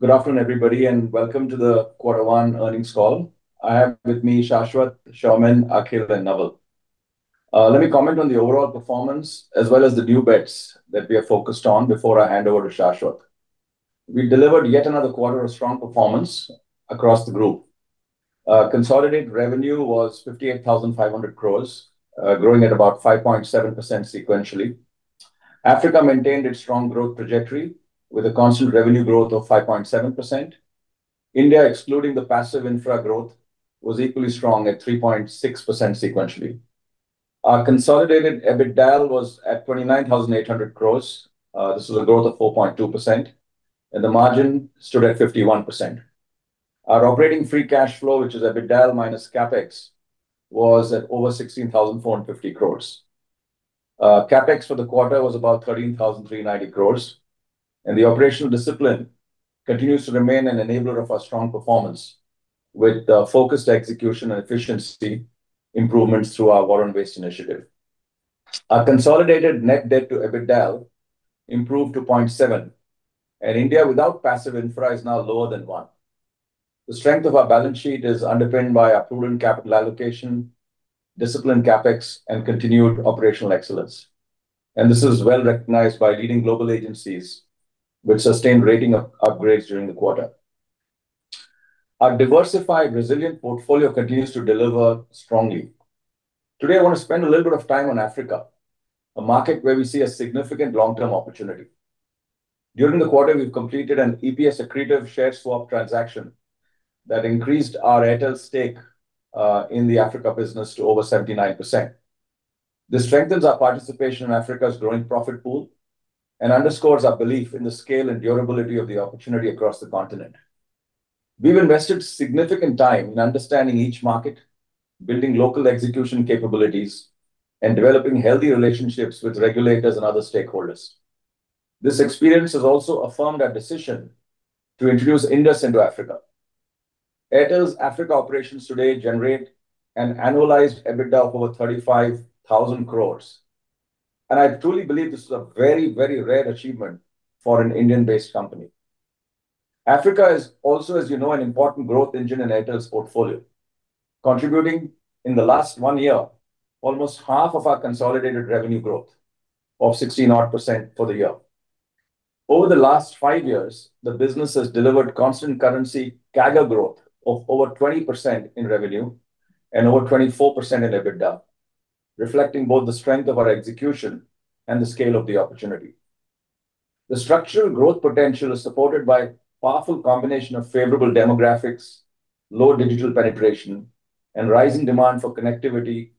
Good afternoon, everybody, and welcome to the quarter one earnings call. I have with me Shashwat, Soumen, Akhil, and Naval. Let me comment on the overall performance as well as the new bets that we are focused on before I hand over to Shashwat. We delivered yet another quarter of strong performance across the group. Consolidated revenue was 58,500 crore, growing at about 5.7% sequentially. Africa maintained its strong growth trajectory with a constant revenue growth of 5.7%. India, excluding the passive infra growth, was equally strong at 3.6% sequentially. Our consolidated EBITDA was at 29,800 crore. This was a growth of 4.2%, and the margin stood at 51%. Our operating free cash flow, which is EBITDA minus CapEx, was at over 16,450 crore. CapEx for the quarter was about 13,390 crore. The operational discipline continues to remain an enabler of our strong performance with focused execution and efficiency improvements through our volume-based initiative. Our consolidated net debt to EBITDA improved to 0.7, and India without passive infra is now lower than one. The strength of our balance sheet is underpinned by our prudent capital allocation, disciplined CapEx, and continued operational excellence. This is well recognized by leading global agencies with sustained rating upgrades during the quarter. Our diversified, resilient portfolio continues to deliver strongly. Today, I want to spend a little bit of time on Africa, a market where we see a significant long-term opportunity. During the quarter, we've completed an EPS accretive share swap transaction that increased our Airtel stake in the Africa business to over 79%. This strengthens our participation in Africa’s growing profit pool and underscores our belief in the scale and durability of the opportunity across the continent. We've invested significant time in understanding each market, building local execution capabilities, and developing healthy relationships with regulators and other stakeholders. This experience has also affirmed our decision to introduce Indus into Africa. Airtel Africa operations today generate an annualized EBITDA of over 35,000 crore. I truly believe this is a very, very rare achievement for an Indian-based company. Africa is also, as you know, an important growth engine in Airtel's portfolio, contributing in the last one year, almost half of our consolidated revenue growth of 16 odd percent for the year. Over the last five years, the business has delivered constant currency CAGR growth of over 20% in revenue and over 24% in EBITDA, reflecting both the strength of our execution and the scale of the opportunity. The structural growth potential is supported by a powerful combination of favorable demographics, low digital penetration, and rising demand for connectivity,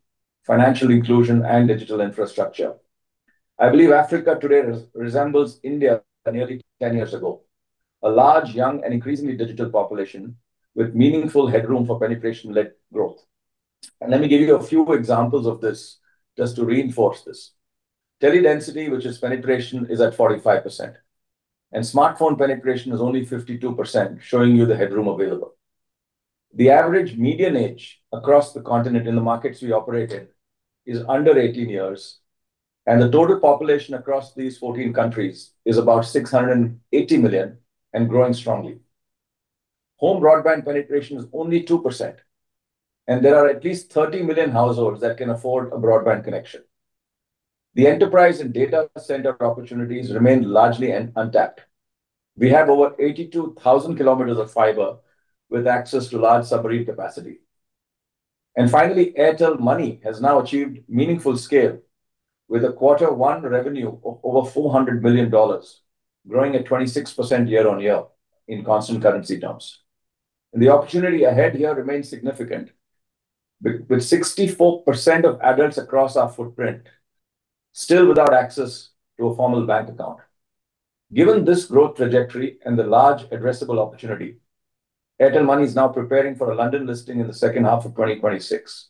financial inclusion, and digital infrastructure. I believe Africa today resembles India nearly 10 years ago. A large, young, and increasingly digital population with meaningful headroom for penetration-led growth. Let me give you a few examples of this just to reinforce this. Tele-density, which is penetration, is at 45%, and smartphone penetration is only 52%, showing you the headroom available. The average median age across the continent in the markets we operate in is under 18 years. The total population across these 14 countries is about 680 million and growing strongly. Home broadband penetration is only 2%, and there are at least 30 million households that can afford a broadband connection. The enterprise and data center opportunities remain largely untapped. We have over 82,000 km of fiber with access to large submarine capacity. Finally, Airtel Money has now achieved meaningful scale with a quarter one revenue of over $400 million, growing at 26% year-on-year in constant currency terms. The opportunity ahead here remains significant, with 64% of adults across our footprint still without access to a formal bank account. Given this growth trajectory and the large addressable opportunity, Airtel Money is now preparing for a London listing in the second half of 2026.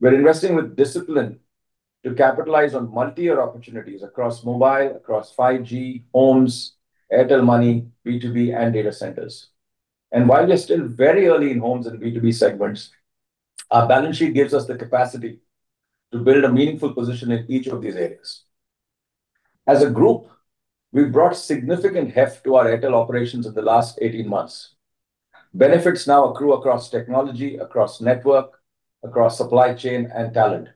We're investing with discipline to capitalize on multi-year opportunities across mobile, across 5G, homes, Airtel Money, B2B, and data centers. While we're still very early in homes and B2B segments, our balance sheet gives us the capacity to build a meaningful position in each of these areas. As a group, we've brought significant heft to our Airtel operations in the last 18 months. Benefits now accrue across technology, across network, across supply chain, and talent.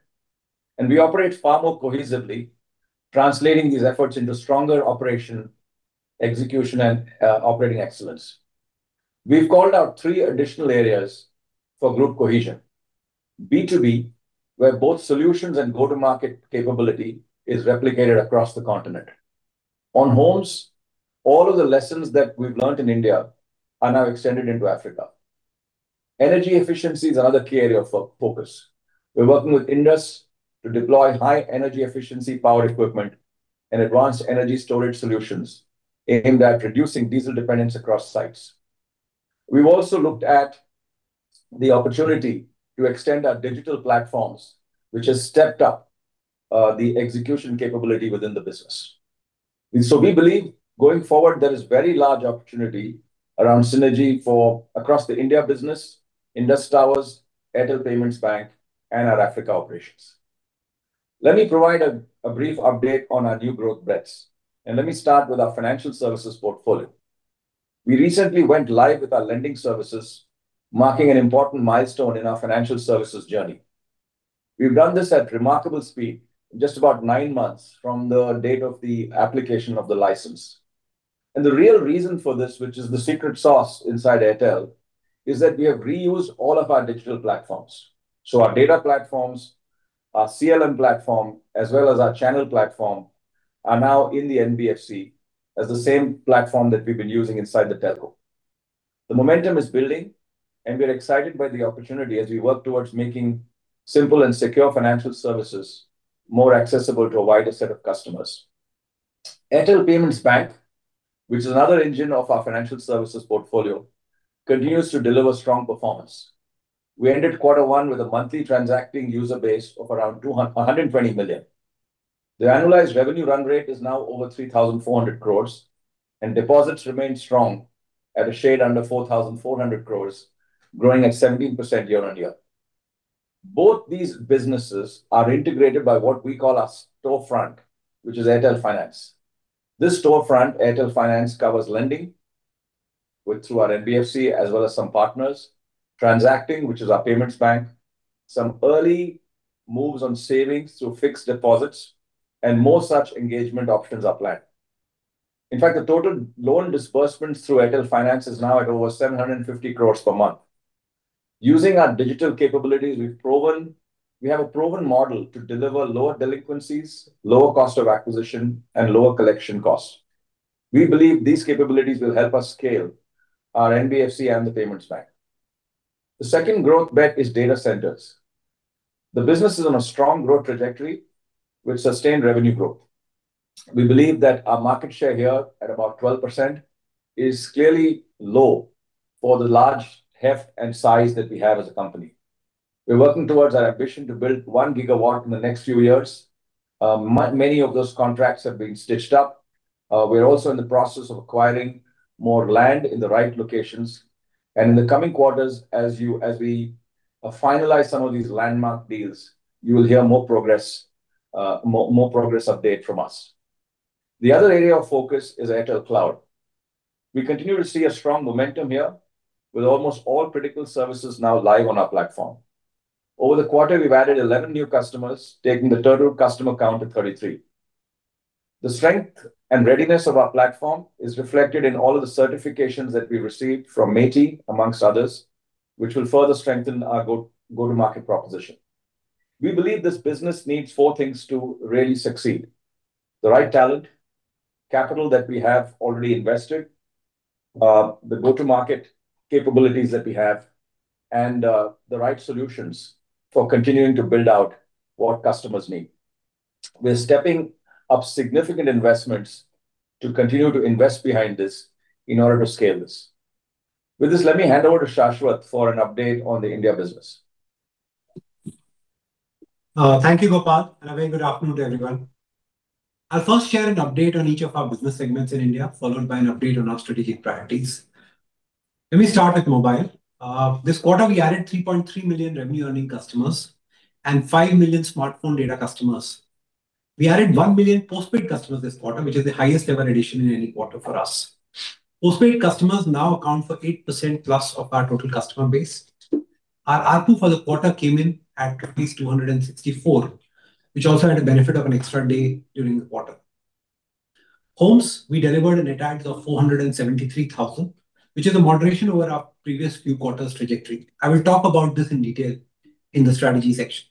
We operate far more cohesively, translating these efforts into stronger operation execution and operating excellence. We've called out three additional areas for group cohesion. B2B, where both solutions and go-to-market capability is replicated across the continent. On homes, all of the lessons that we've learnt in India are now extended into Africa. Energy efficiency is another key area of focus. We're working with Indus to deploy high energy efficiency power equipment and advanced energy storage solutions, aimed at reducing diesel dependence across sites. We've also looked at the opportunity to extend our digital platforms, which has stepped up the execution capability within the business. We believe going forward, there is very large opportunity around synergy for across the India business, Indus Towers, Airtel Payments Bank, and our Africa operations. Let me provide a brief update on our new growth bets, and let me start with our financial services portfolio. We recently went live with our lending services, marking an important milestone in our financial services journey. We've done this at remarkable speed, in just about nine months from the date of the application of the license. The real reason for this, which is the secret sauce inside Airtel, is that we have reused all of our digital platforms. Our data platforms, our CLM platform, as well as our channel platform, are now in the NBFC as the same platform that we've been using inside the telco. The momentum is building, and we are excited by the opportunity as we work towards making simple and secure financial services more accessible to a wider set of customers. Airtel Payments Bank, which is another engine of our financial services portfolio, continues to deliver strong performance. We ended quarter one with a monthly transacting user base of around 120 million. The annualized revenue run rate is now over 3,400 crores, and deposits remain strong at a shade under 4,400 crores, growing at 17% year-on-year. Both these businesses are integrated by what we call our storefront, which is Airtel Finance. This storefront, Airtel Finance, covers lending through our NBFC as well as some partners, transacting, which is our payments bank, some early moves on savings through fixed deposits, and more such engagement options are planned. In fact, the total loan disbursements through Airtel Finance is now at over 750 crores per month. Using our digital capabilities, we have a proven model to deliver lower delinquencies, lower cost of acquisition, and lower collection costs. We believe these capabilities will help us scale our NBFC and the payments bank. The second growth bet is data centers. The business is on a strong growth trajectory with sustained revenue growth. We believe that our market share here at about 12% is clearly low for the large heft and size that we have as a company. We are working towards our ambition to build 1 GW in the next few years. Many of those contracts have been stitched up. We are also in the process of acquiring more land in the right locations. In the coming quarters, as we finalize some of these landmark deals, you will hear more progress update from us. The other area of focus is Airtel Cloud. We continue to see a strong momentum here with almost all critical services now live on our platform. Over the quarter, we have added 11 new customers, taking the total customer count to 33. The strength and readiness of our platform is reflected in all of the certifications that we received from MeitY, amongst others, which will further strengthen our go-to-market proposition. We believe this business needs four things to really succeed: The right talent, capital that we have already invested, the go-to-market capabilities that we have, and the right solutions for continuing to build out what customers need. We are stepping up significant investments to continue to invest behind this in order to scale this. With this, let me hand over to Shashwat for an update on the India business. Thank you, Gopal, and a very good afternoon to everyone. I will first share an update on each of our business segments in India, followed by an update on our strategic priorities. Let me start with mobile. This quarter, we added 3.3 million revenue-earning customers and 5 million smartphone data customers. We added 1 million postpaid customers this quarter, which is the highest ever addition in any quarter for us. Postpaid customers now account for 8%+ of our total customer base. Our ARPU for the quarter came in at 264, which also had a benefit of an extra day during the quarter. Homes, we delivered net adds of 473,000, which is a moderation over our previous few quarters trajectory. I will talk about this in detail in the strategy section.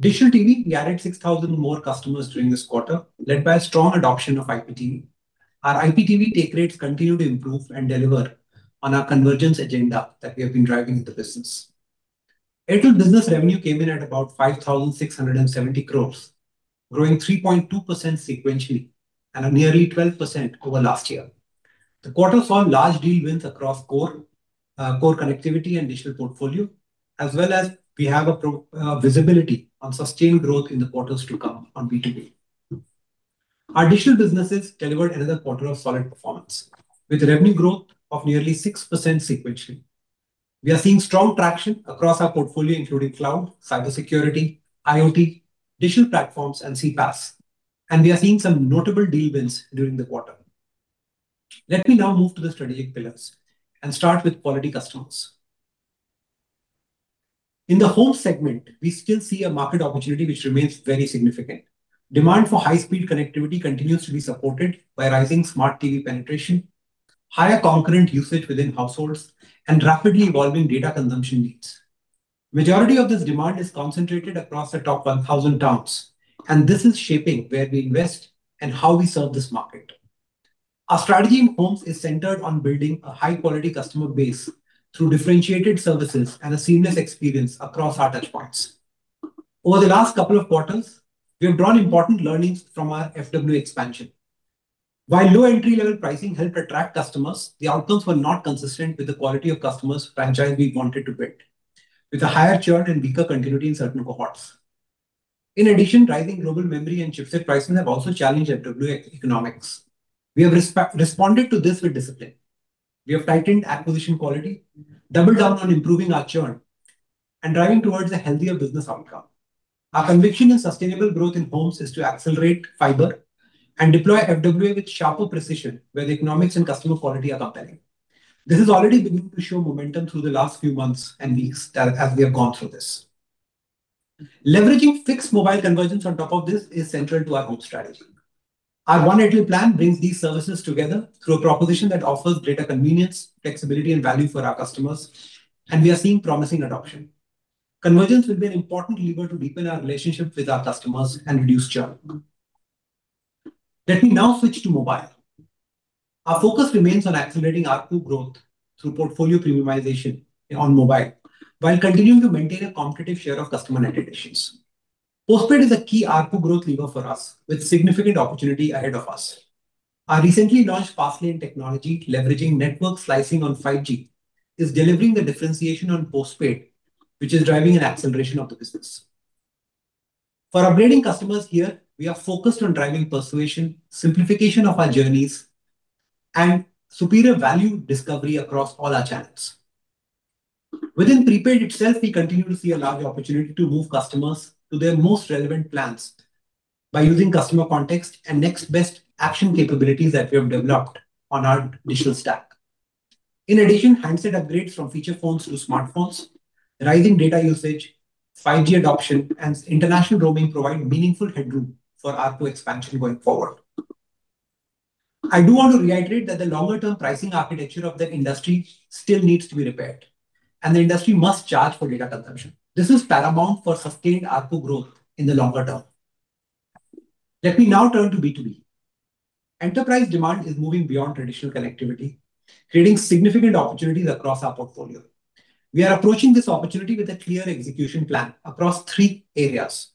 Digital TV, we added 6,000 more customers during this quarter, led by strong adoption of IPTV. Our IPTV take rates continue to improve and deliver on our convergence agenda that we have been driving with the business. Airtel business revenue came in at about 5,670 crore, growing 3.2% sequentially and nearly 12% over last year. The quarter saw large deal wins across core connectivity and digital portfolio. As well as we have a visibility on sustained growth in the quarters to come on B2B. Our digital businesses delivered another quarter of solid performance, with revenue growth of nearly 6% sequentially. We are seeing strong traction across our portfolio, including cloud, cybersecurity, IoT, digital platforms, and CPaaS. We are seeing some notable deal wins during the quarter. Let me now move to the strategic pillars and start with quality customers. In the home segment, we still see a market opportunity which remains very significant. Demand for high-speed connectivity continues to be supported by rising smart TV penetration, higher concurrent usage within households, and rapidly evolving data consumption needs. Majority of this demand is concentrated across the top 1,000 towns. This is shaping where we invest and how we serve this market. Our strategy in homes is centered on building a high-quality customer base through differentiated services and a seamless experience across our touchpoints. Over the last couple of quarters, we have drawn important learnings from our FWA expansion. While low entry-level pricing helped attract customers, the outcomes were not consistent with the quality of customers franchise we wanted to build, with a higher churn and weaker continuity in certain cohorts. In addition, rising global memory and chipset pricing have also challenged FWA economics. We have responded to this with discipline. We have tightened acquisition quality, doubled down on improving our churn, and driving towards a healthier business outcome. Our conviction in sustainable growth in homes is to accelerate fiber and deploy FWA with sharper precision where the economics and customer quality are compelling. This has already begun to show momentum through the last few months and weeks as we have gone through this. Leveraging fixed mobile convergence on top of this is central to our home strategy. Our One Airtel plan brings these services together through a proposition that offers greater convenience, flexibility, and value for our customers. We are seeing promising adoption. Convergence will be an important lever to deepen our relationship with our customers and reduce churn. Let me now switch to mobile. Our focus remains on accelerating ARPU growth through portfolio premiumization on mobile while continuing to maintain a competitive share of customer net adds. Postpaid is a key ARPU growth lever for us with significant opportunity ahead of us. Our recently launched Fast Lane technology, leveraging network slicing on 5G, is delivering the differentiation on postpaid, which is driving an acceleration of the business. For upgrading customers here, we are focused on driving persuasion, simplification of our journeys, and superior value discovery across all our channels. Within prepaid itself, we continue to see a large opportunity to move customers to their most relevant plans by using customer context and next best action capabilities that we have developed on our digital stack. In addition, handset upgrades from feature phones to smartphones, rising data usage, 5G adoption, and international roaming provide meaningful headroom for ARPU expansion going forward. I do want to reiterate that the longer-term pricing architecture of the industry still needs to be repaired. The industry must charge for data consumption. This is paramount for sustained ARPU growth in the longer term. Let me now turn to B2B. Enterprise demand is moving beyond traditional connectivity, creating significant opportunities across our portfolio. We are approaching this opportunity with a clear execution plan across three areas.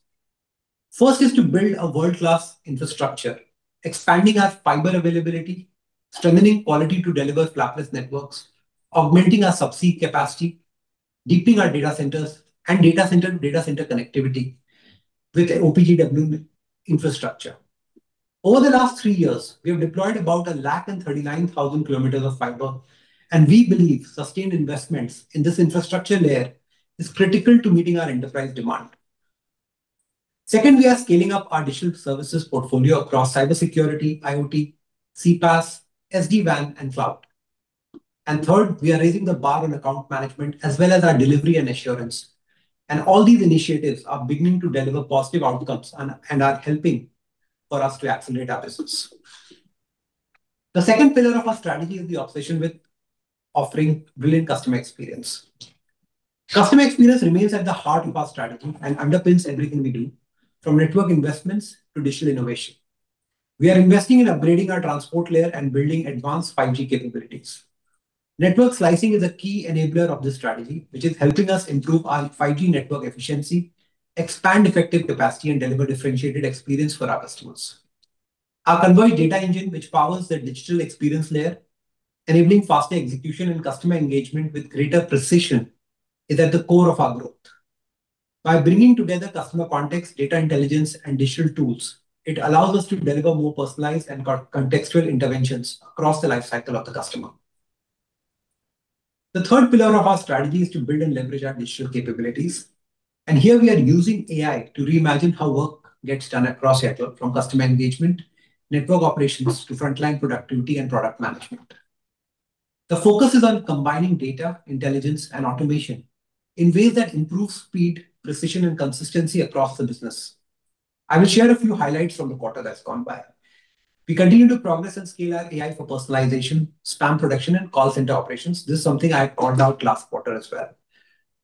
First is to build a world-class infrastructure, expanding our fiber availability, strengthening quality to deliver flapless networks, augmenting our subsea capacity, deepening our data centers, and data center to data center connectivity with an OPGW infrastructure. Over the last three years, we have deployed about 139,000 km of fiber, and we believe sustained investments in this infrastructure layer is critical to meeting our enterprise demand. Second, we are scaling up our digital services portfolio across cybersecurity, IoT, CPaaS, SD-WAN, and cloud. Third, we are raising the bar on account management as well as our delivery and assurance. All these initiatives are beginning to deliver positive outcomes and are helping for us to accelerate our business. The second pillar of our strategy is the obsession with offering brilliant customer experience. Customer experience remains at the heart of our strategy and underpins everything we do, from network investments to digital innovation. We are investing in upgrading our transport layer and building advanced 5G capabilities. Network slicing is a key enabler of this strategy, which is helping us improve our 5G network efficiency, expand effective capacity, and deliver differentiated experience for our customers. Our Converged Data Engine, which powers the digital experience layer, enabling faster execution and customer engagement with greater precision, is at the core of our growth. By bringing together customer context, data intelligence, and digital tools, it allows us to deliver more personalized and contextual interventions across the life cycle of the customer. The third pillar of our strategy is to build and leverage our digital capabilities, and here we are using AI to reimagine how work gets done across Airtel, from customer engagement, network operations, to frontline productivity and product management. The focus is on combining data, intelligence, and automation in ways that improve speed, precision, and consistency across the business. I will share a few highlights from the quarter that's gone by. We continue to progress and scale our AI for personalization, spam protection, and call center operations. This is something I called out last quarter as well.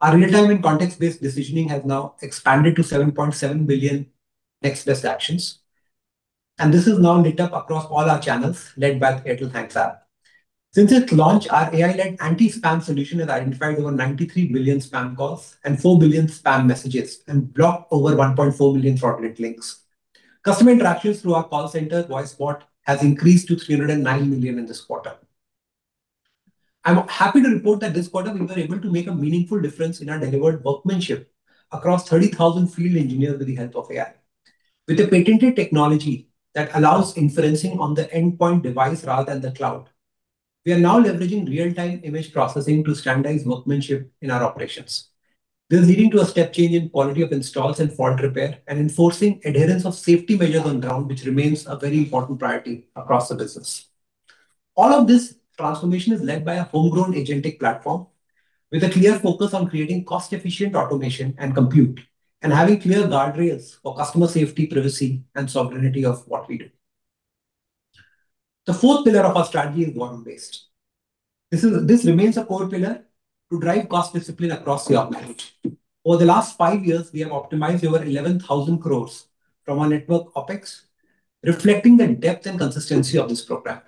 Our real-time and context-based decisioning has now expanded to 7.7 billion next best actions, and this is now lit up across all our channels led by the Airtel Thanks app. Since its launch, our AI-led anti-spam solution has identified over 93 billion spam calls and 4 billion spam messages and blocked over 1.4 billion fraudulent links. Customer interactions through our call center voice bot has increased to 309 million in this quarter. I'm happy to report that this quarter we were able to make a meaningful difference in our delivered workmanship across 30,000 field engineers with the help of AI. With a patented technology that allows inferencing on the endpoint device rather than the cloud, we are now leveraging real-time image processing to standardize workmanship in our operations. This is leading to a step change in quality of installs and fault repair and enforcing adherence of safety measures on ground, which remains a very important priority across the business. All of this transformation is led by a homegrown agentic platform with a clear focus on creating cost-efficient automation and compute and having clear guardrails for customer safety, privacy, and sovereignty of what we do. The fourth pillar of our strategy is volume-based. This remains a core pillar to drive cost discipline across the operation. Over the last five years, we have optimized over 11,000 crore from our network OpEx, reflecting the depth and consistency of this program.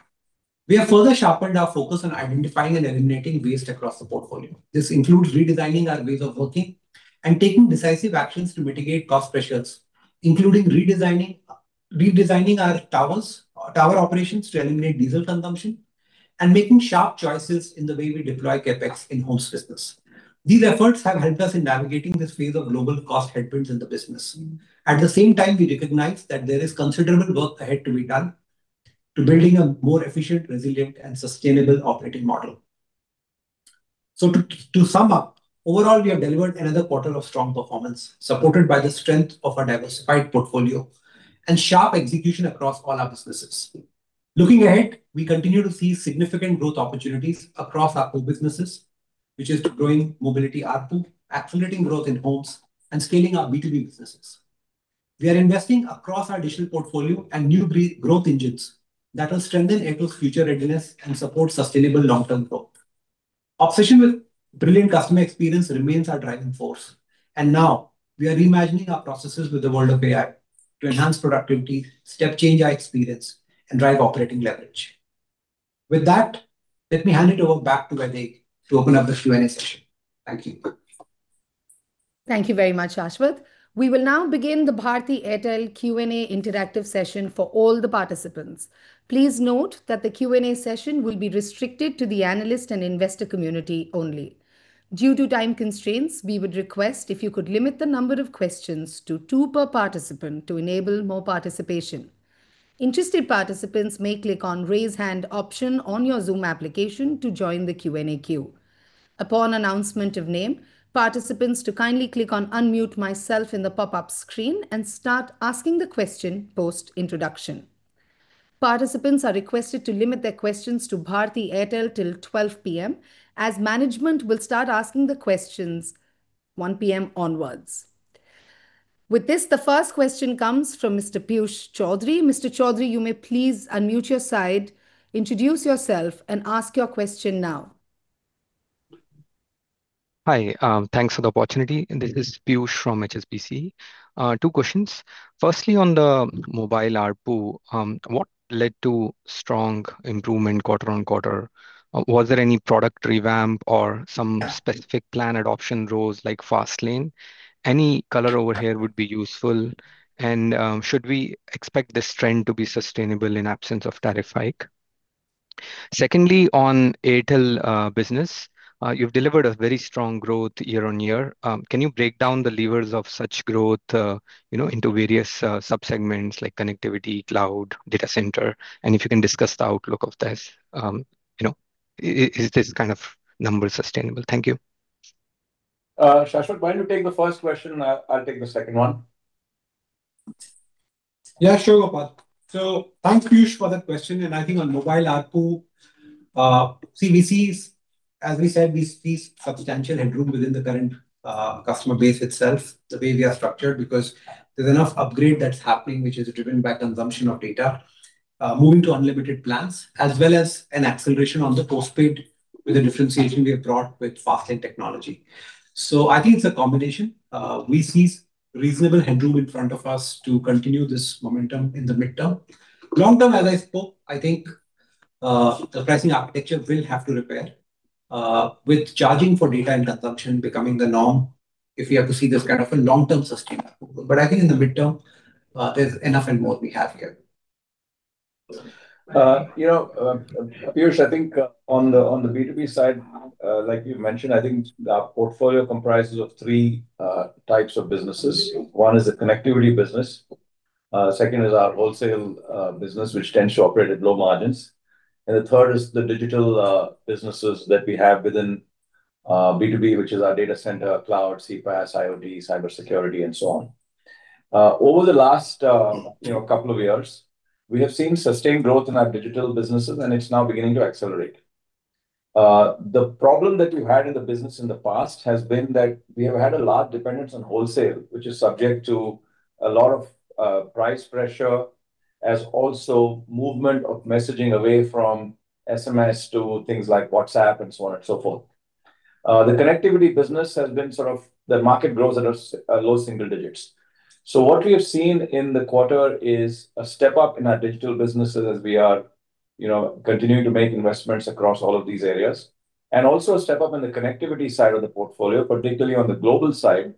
We have further sharpened our focus on identifying and eliminating waste across the portfolio. This includes redesigning our ways of working and taking decisive actions to mitigate cost pressures, including redesigning our tower operations to eliminate diesel consumption, and making sharp choices in the way we deploy CapEx in homes business. These efforts have helped us in navigating this phase of global cost headwinds in the business. At the same time, we recognize that there is considerable work ahead to be done to building a more efficient, resilient, and sustainable operating model. To sum up, overall, we have delivered another quarter of strong performance, supported by the strength of our diversified portfolio and sharp execution across all our businesses. Looking ahead, we continue to see significant growth opportunities across our core businesses, which is the growing mobility ARPU, accelerating growth in homes, and scaling our B2B businesses. We are investing across our digital portfolio and new growth engines that will strengthen Airtel's future readiness and support sustainable long-term growth. Obsession with brilliant customer experience remains our driving force, and now we are reimagining our processes with the world of AI to enhance productivity, step change our experience, and drive operating leverage. With that, let me hand it over back to Vaidehi to open up the Q&A session. Thank you. Thank you very much, Shashwat. We will now begin the Bharti Airtel Q&A interactive session for all the participants. Please note that the Q&A session will be restricted to the analyst and investor community only. Due to time constraints, we would request if you could limit the number of questions to two per participant to enable more participation. Interested participants may click on Raise Hand option on your Zoom application to join the Q&A queue. Upon announcement of name, participants to kindly click on Unmute Myself in the pop-up screen and start asking the question post-introduction. Participants are requested to limit their questions to Bharti Airtel till 12:00 P.M., as management will start asking the questions 1:00 P.M. onwards. With this, the first question comes from Mr. Piyush Choudhary. Mr. Choudhary, you may please unmute your side, introduce yourself and ask your question now. Hi. Thanks for the opportunity. This is Piyush from HSBC. Two questions. Firstly, on the mobile ARPU, what led to strong improvement quarter-on-quarter? Was there any product revamp or some specific plan adoption roles like Fast Lane? Any color over here would be useful. Should we expect this trend to be sustainable in absence of tariff hike? Secondly, on Airtel business. You've delivered a very strong growth year-on-year. Can you break down the levers of such growth, you know, into various sub-segments like connectivity, cloud, data center? If you can discuss the outlook of this. You know, is this kind of number sustainable? Thank you. Shashwat, why don't you take the first question, I'll take the second one. Yeah, sure, Gopal. Thanks, Piyush, for that question. I think on mobile ARPU, see we see, as we said, we see substantial headroom within the current customer base itself, the way we are structured, because there's enough upgrade that's happening, which is driven by consumption of data, moving to unlimited plans, as well as an acceleration on the postpaid with the differentiation we have brought with Fast Lane technology. I think it's a combination. We see reasonable headroom in front of us to continue this momentum in the midterm. Long-term, as I spoke, I think, the pricing architecture will have to repair, with charging for data and consumption becoming the norm if we have to see this kind of a long-term sustainable. I think in the midterm, there's enough and more we have here. You know, Piyush, I think on the, on the B2B side, like you mentioned, I think our portfolio comprises of three types of businesses. One is the connectivity business, second is our wholesale business, which tends to operate at low margins, the third is the digital businesses that we have within B2B, which is our data center, cloud, CPaaS, IoT, cybersecurity, and so on. Over the last, you know, couple of years, we have seen sustained growth in our digital businesses, and it's now beginning to accelerate. The problem that we've had in the business in the past has been that we have had a large dependence on wholesale, which is subject to a lot of price pressure, as also movement of messaging away from SMS to things like WhatsApp and so on and so forth. The connectivity business has been sort of the market grows at low single digits. What we have seen in the quarter is a step up in our digital businesses as we are, you know, continuing to make investments across all of these areas. Also a step up in the connectivity side of the portfolio, particularly on the global side,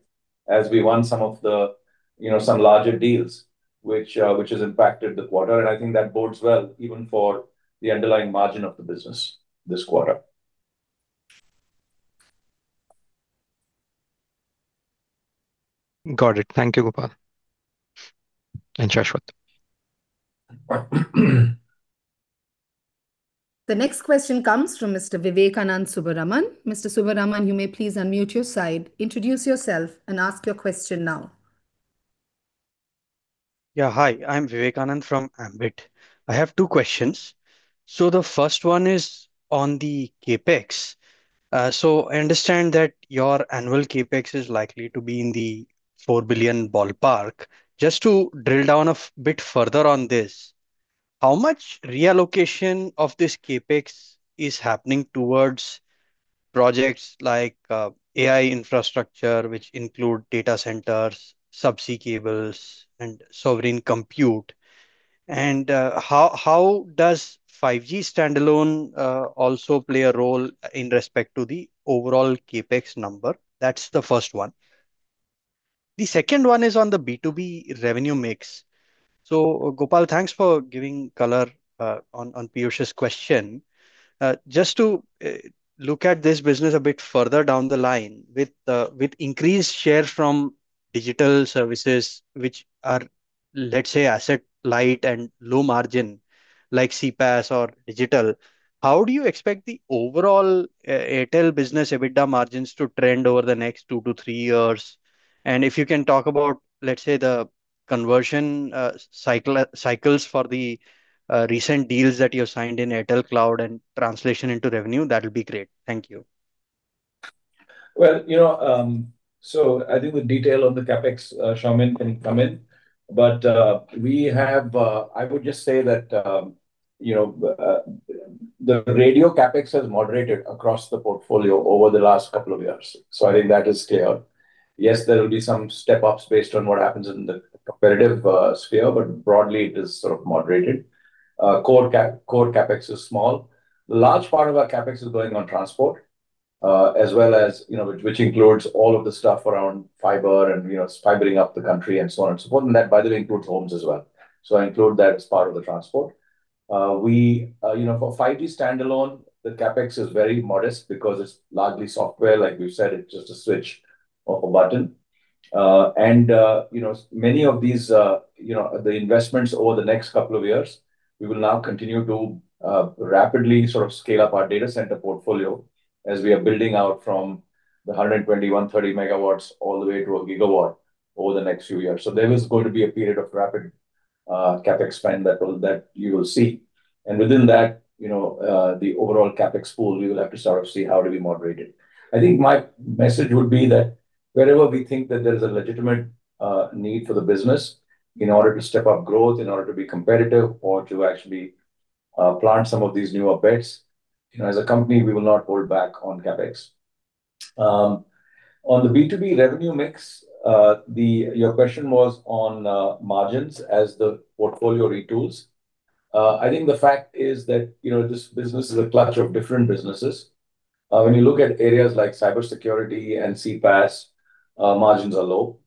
as we won some of the, you know, some larger deals, which has impacted the quarter, and I think that bodes well even for the underlying margin of the business this quarter. Got it. Thank you, Gopal and Shashwat. The next question comes from Mr. Vivekanand Subbaraman. Mr. Subbaraman, you may please unmute your side, introduce yourself, and ask your question now. Hi. I'm Vivekanand from Ambit. I have two questions. The first one is on the CapEx. I understand that your annual CapEx is likely to be in the 4 billion ballpark. Just to drill down a bit further on this, how much reallocation of this CapEx is happening towards projects like AI infrastructure, which include data centers, subsea cables, and sovereign compute? And how does 5G standalone also play a role in respect to the overall CapEx number? That's the first one. The second one is on the B2B revenue mix. Gopal, thanks for giving color on Piyush's question. Just to look at this business a bit further down the line with increased share from digital services which are, let's say, asset light and low margin, like CPaaS or digital. How do you expect the overall Airtel business EBITDA margins to trend over the next two to three years? If you can talk about, let's say, the conversion cycles for the recent deals that you have signed in Airtel Cloud and translation into revenue, that'll be great. Thank you. I think the detail on the CapEx, Soumen can come in. I would just say that the radio CapEx has moderated across the portfolio over the last couple of years. I think that is clear. Yes, there will be some step-ups based on what happens in the competitive sphere, but broadly it is sort of moderated. Core CapEx is small. Large part of our CapEx is going on transport, which includes all of the stuff around fiber and fiber-ing up the country and so on and so forth. That, by the way, includes homes as well. I include that as part of the transport. For 5G standalone, the CapEx is very modest because it's largely software. Like we've said, it's just a switch of a button. Many of the investments over the next couple of years, we will now continue to rapidly scale up our data center portfolio as we are building out from the 120, 130 MW all the way to 1 GW over the next few years. There is going to be a period of rapid CapEx spend that you will see. Within that, the overall CapEx pool, we will have to sort of see how do we moderate it. I think my message would be that wherever we think that there is a legitimate need for the business in order to step up growth, in order to be competitive or to actually plant some of these newer bets, as a company, we will not hold back on CapEx. On the B2B revenue mix, your question was on margins as the portfolio retools. I think the fact is that this business is a clutch of different businesses. When you look at areas like cybersecurity and CPaaS, margins are low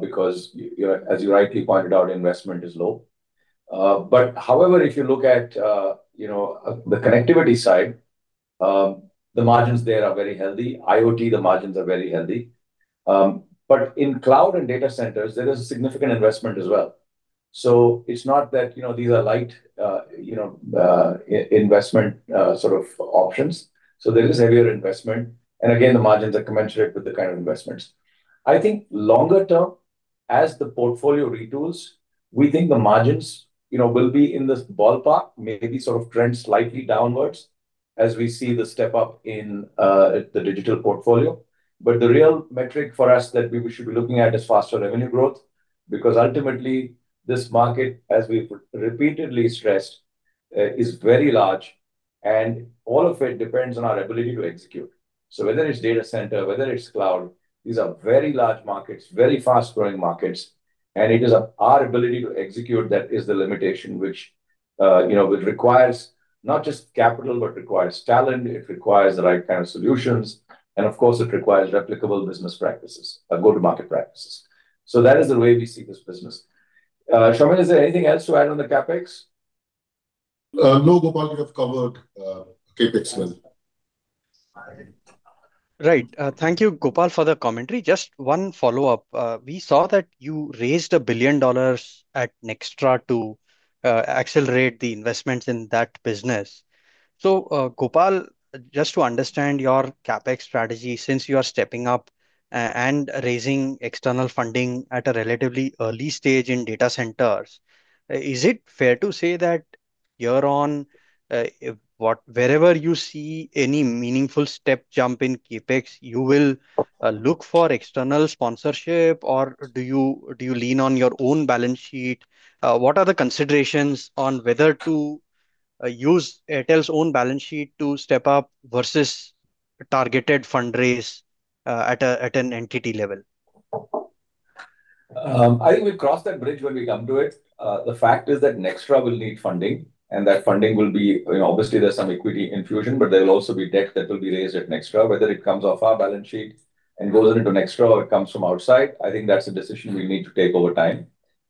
because, as you rightly pointed out, investment is low. However, if you look at the connectivity side, the margins there are very healthy. IoT, the margins are very healthy. In cloud and data centers, there is a significant investment as well. It's not that these are light investment sort of options. There is heavier investment. Again, the margins are commensurate with the kind of investments. I think longer term, as the portfolio retools, we think the margins will be in this ballpark, maybe sort of trend slightly downwards as we see the step up in the digital portfolio. The real metric for us that we should be looking at is faster revenue growth, because ultimately, this market, as we've repeatedly stressed, is very large and all of it depends on our ability to execute. Whether it's data center, whether it's cloud, these are very large markets, very fast-growing markets, and it is our ability to execute that is the limitation, which requires not just capital, but requires talent, it requires the right kind of solutions, and of course, it requires replicable business practices or go-to-market practices. That is the way we see this business. Soumen, is there anything else to add on the CapEx? No, Gopal, you have covered CapEx well. Right. Thank you, Gopal, for the commentary. Just one follow-up. We saw that you raised $1 billion at Nxtra to accelerate the investments in that business. Gopal, just to understand your CapEx strategy, since you are stepping up and raising external funding at a relatively early stage in data centers, is it fair to say that you're on wherever you see any meaningful step jump in CapEx, you will look for external sponsorship? Or do you lean on your own balance sheet? What are the considerations on whether to use Airtel's own balance sheet to step up versus targeted fundraise at an entity level? I think we'll cross that bridge when we come to it. The fact is that Nxtra will need funding, and that funding will be, obviously, there's some equity infusion, but there'll also be debt that will be raised at Nxtra. Whether it comes off our balance sheet and goes into Nxtra or it comes from outside, I think that's a decision we need to take over time.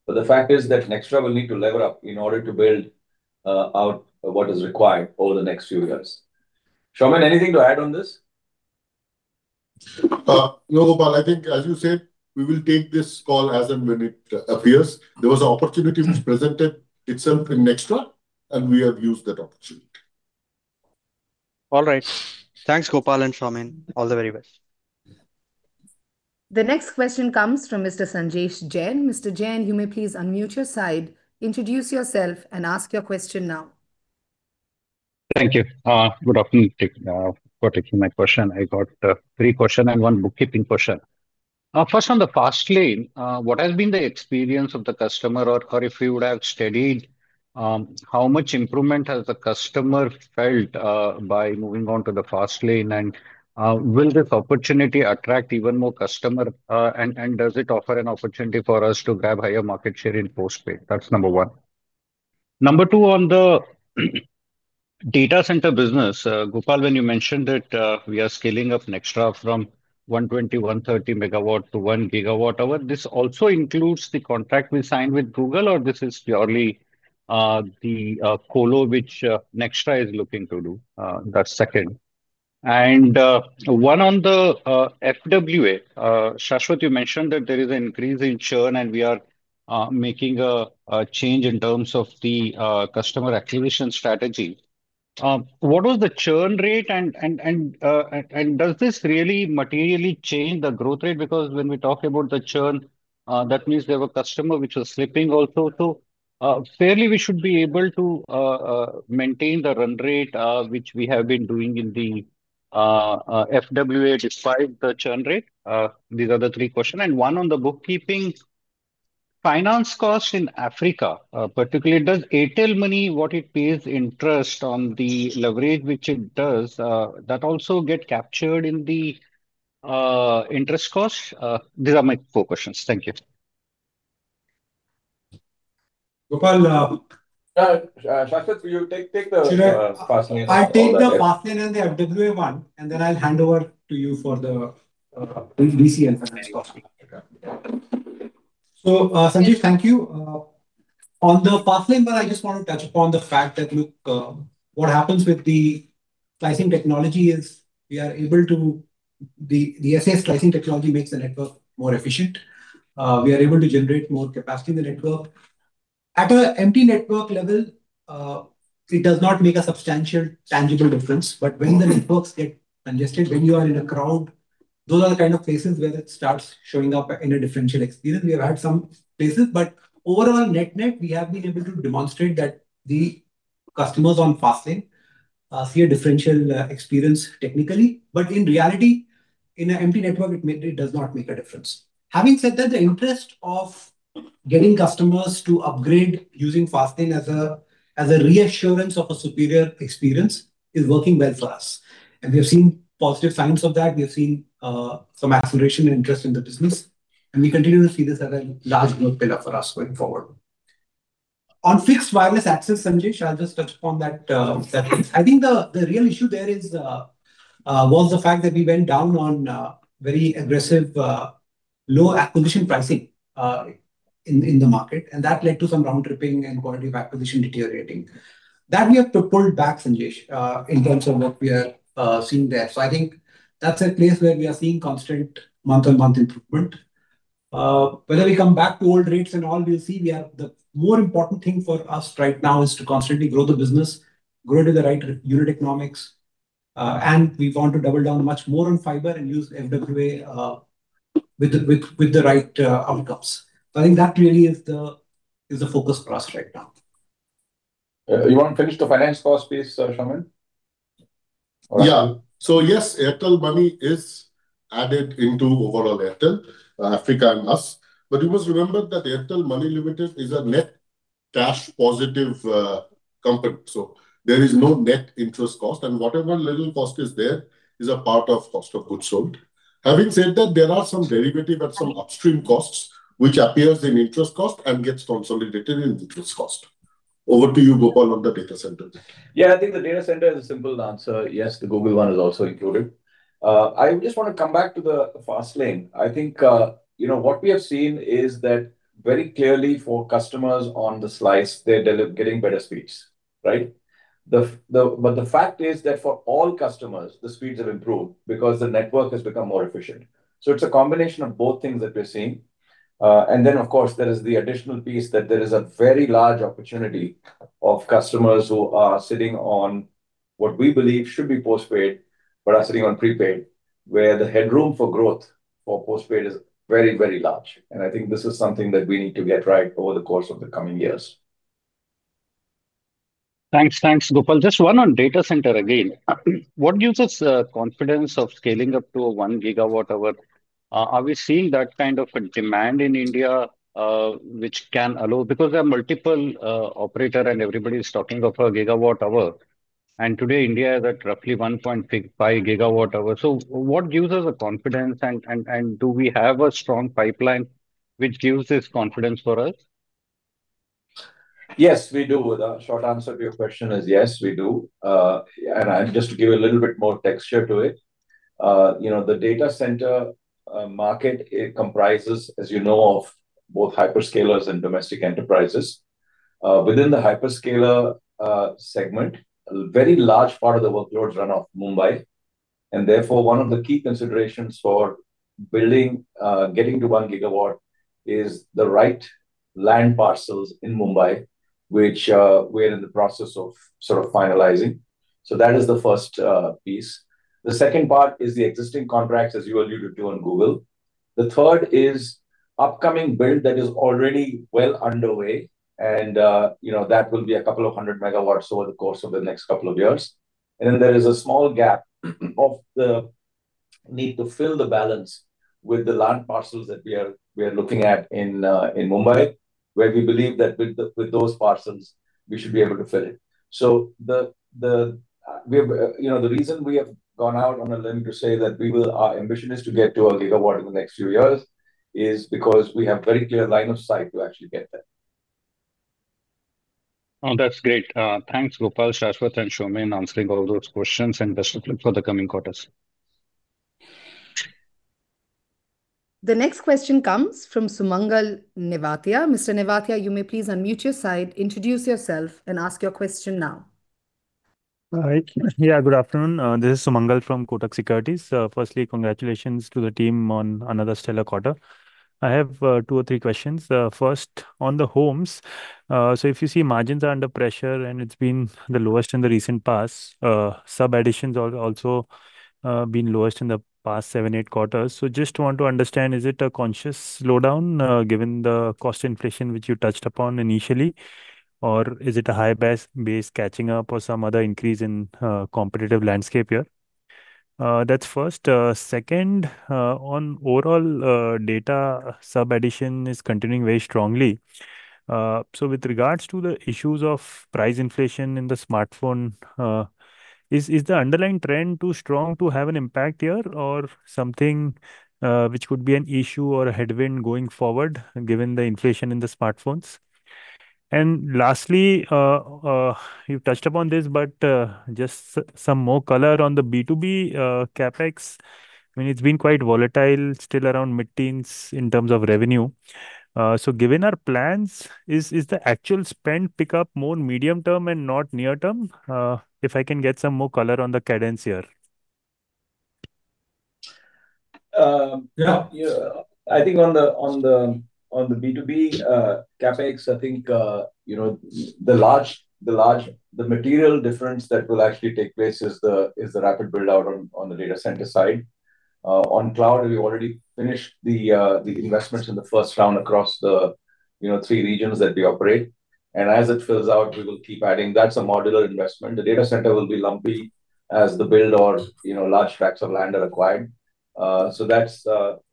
The fact is that Nxtra will need to lever up in order to build out what is required over the next few years. Soumen, anything to add on this? No, Gopal. I think as you said, we will take this call as and when it appears. There was an opportunity which presented itself in Nxtra, and we have used that opportunity. All right. Thanks, Gopal and Soumen. All the very best. The next question comes from Mr. Sanjesh Jain. Mr. Jain, you may please unmute your side, introduce yourself, and ask your question now. Thank you. Good afternoon and thank you for taking my question. I got three question and one bookkeeping question. First, on the Fast Lane, what has been the experience of the customer? Or if you would have studied, how much improvement has the customer felt by moving on to the Fast Lane? Will this opportunity attract even more customer? Does it offer an opportunity for us to grab higher market share in post-pay? That's number one. Number two, on the data center business, Gopal, when you mentioned that we are scaling up Nxtra from 120, 130 MW to 1 GWh. This also includes the contract we signed with Google, or this is purely the colo which Nxtra is looking to do? That's second. One on the FWA. Shashwat, you mentioned that there is an increase in churn and we are making a change in terms of the customer acquisition strategy. What was the churn rate and does this really materially change the growth rate? Because when we talk about the churn, that means there were customers which were slipping also. Fairly we should be able to maintain the run rate, which we have been doing in the FWA despite the churn rate. These are the three questions. One on the bookkeeping. Finance cost in Africa, particularly does Airtel Money what it pays interest on the leverage which it does, that also get captured in the interest cost? These are my four questions. Thank you. Gopal. Shashwat, will you take the Fast Lane- I take the Fast Lane and the FWA one, and then I'll hand over to you for the VC and finance cost. Sanjesh, thank you. On the Fast Lane part, I just want to touch upon the fact that, look, what happens with the slicing technology is the SA slicing technology makes the network more efficient. We are able to generate more capacity in the network. At an empty network level, it does not make a substantial tangible difference. When the networks get congested, when you are in a crowd, those are the kind of places where it starts showing up in a differential experience. We have had some places, but overall net/net we have been able to demonstrate that the customers on Fast Lane see a differential experience technically. In reality, in an empty network, it mainly does not make a difference. Having said that, the interest of getting customers to upgrade using Fast Lane as a reassurance of a superior experience is working well for us. We have seen positive signs of that. We have seen some acceleration and interest in the business, and we continue to see this as a large growth pillar for us going forward. On fixed wireless access, Sanjesh, I'll just touch upon that piece. I think the real issue there was the fact that we went down on very aggressive, low acquisition pricing in the market, and that led to some round tripping and quality of acquisition deteriorating. That we have pulled back, Sanjesh, in terms of what we are seeing there. I think that's a place where we are seeing constant month-on-month improvement. Whether we come back to old rates and all, we'll see. The more important thing for us right now is to constantly grow the business, grow to the right unit economics, and we want to double down much more on fiber and use FWA with the right outcomes. I think that really is the focus for us right now. You want to finish the finance cost piece, Soumen? Yes, Airtel Money is added into overall Airtel Africa and us. You must remember that Airtel Money Limited is a net cash positive company, so there is no net interest cost and whatever little cost is there is a part of cost of goods sold. Having said that, there are some derivative and some upstream costs, which appears in interest cost and gets consolidated in the interest cost. Over to you, Gopal, on the data center. I think the data center is a simple answer. Yes, the Google one is also included. I just want to come back to the Fast Lane. I think what we have seen is that very clearly for customers on the slice, they're getting better speeds, right? The fact is that for all customers, the speeds have improved because the network has become more efficient. It's a combination of both things that we're seeing. Then, of course, there is the additional piece that there is a very large opportunity of customers who are sitting on what we believe should be postpaid, but are sitting on prepaid, where the headroom for growth for postpaid is very, very large. I think this is something that we need to get right over the course of the coming years. Thanks. Gopal, just one on data center again. What gives us confidence of scaling up to a 1 GWh? Are we seeing that kind of a demand in India which can allow? Because there are multiple operators and everybody is talking of 1 GWh, and today India is at roughly 1.5 GWh. What gives us the confidence and do we have a strong pipeline which gives this confidence for us? Yes, we do. The short answer to your question is yes, we do. Just to give a little bit more texture to it, the data center market comprises, as you know, of both hyperscalers and domestic enterprises. Within the hyperscaler segment, a very large part of the workloads run off Mumbai, and therefore, one of the key considerations for getting to 1 GW is the right land parcels in Mumbai, which we're in the process of sort of finalizing. That is the first piece. The second part is the existing contracts, as you alluded to, on Google. The third is upcoming build that is already well underway and that will be a couple of 100 MW over the course of the next couple of years. Then there is a small gap of the need to fill the balance with the land parcels that we are looking at in Mumbai, where we believe that with those parcels, we should be able to fill it. The reason we have gone out on a limb to say that our ambition is to get to 1 GW in the next few years is because we have very clear line of sight to actually get there. Oh, that's great. Thanks, Gopal, Shashwat and Soumen, answering all those questions and best of luck for the coming quarters. The next question comes from Sumangal Nevatia. Mr. Nevatia, you may please unmute your side, introduce yourself and ask your question now. All right. Good afternoon. This is Sumangal from Kotak Securities. Firstly, congratulations to the team on another stellar quarter. I have two or three questions. First, on the homes. If you see margins are under pressure, and it has been the lowest in the recent past. Sub additions have also been lowest in the past seven, eight quarters. Just want to understand, is it a conscious slowdown, given the cost inflation which you touched upon initially, or is it a high base catching up or some other increase in competitive landscape here? That is first. Second, on overall data sub addition is continuing very strongly. With regards to the issues of price inflation in the smartphone, is the underlying trend too strong to have an impact here or something which could be an issue or a headwind going forward given the inflation in the smartphones? Lastly, you have touched upon this, but just some more color on the B2B CapEx. It has been quite volatile, still around mid-teens in terms of revenue. Given our plans, is the actual spend pick up more medium-term and not near-term? If I can get some more color on the cadence here. I think on the B2B CapEx, the material difference that will actually take place is the rapid build-out on the data center side. On cloud, we already finished the investments in the first round across the three regions that we operate. As it fills out, we will keep adding. That is a modular investment. The data center will be lumpy as the build or large tracts of land are acquired.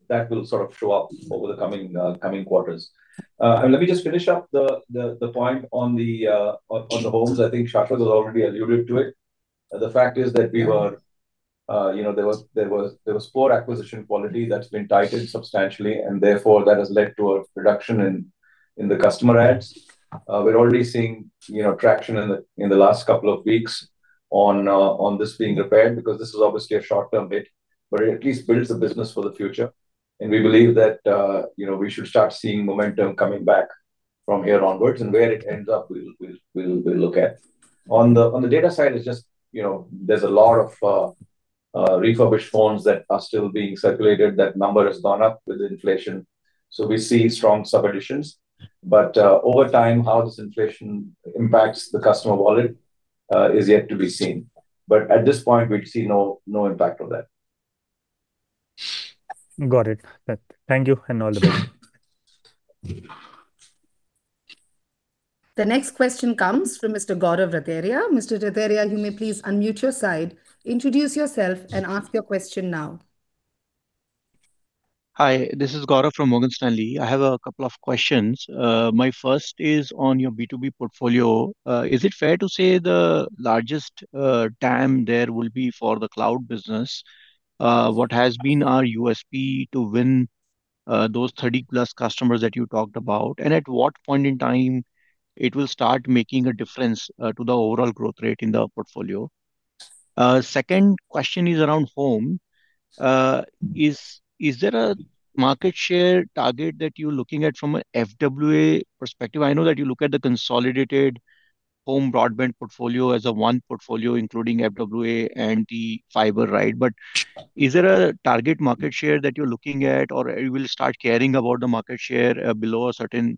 That will sort of show up over the coming quarters. Let me just finish up the point on the homes. I think Shashwat has already alluded to it. The fact is that there was poor acquisition quality that has been tightened substantially, and therefore that has led to a reduction in the customer adds. We're already seeing traction in the last couple of weeks on this being repaired, because this is obviously a short-term hit, but it at least builds the business for the future. We believe that we should start seeing momentum coming back from here onwards. Where it ends up, we'll look at. On the data side, it's just there's a lot of refurbished phones that are still being circulated. That number has gone up with inflation. We see strong sub additions. Over time, how this inflation impacts the customer wallet is yet to be seen. At this point, we see no impact of that. Got it. Thank you, and all the best. The next question comes from Mr. Gaurav Rateria. Mr. Rateria, you may please unmute your side, introduce yourself, and ask your question now. Hi. This is Gaurav from Morgan Stanley. I have a couple of questions. My first is on your B2B portfolio. Is it fair to say the largest TAM there will be for the cloud business? What has been our USP to win those 30+ customers that you talked about, and at what point in time it will start making a difference to the overall growth rate in the portfolio? Second question is around home. Is there a market share target that you're looking at from a FWA perspective? I know that you look at the consolidated home broadband portfolio as a one portfolio, including FWA, NT, fiber, right? Is there a target market share that you're looking at, or you will start caring about the market share below a certain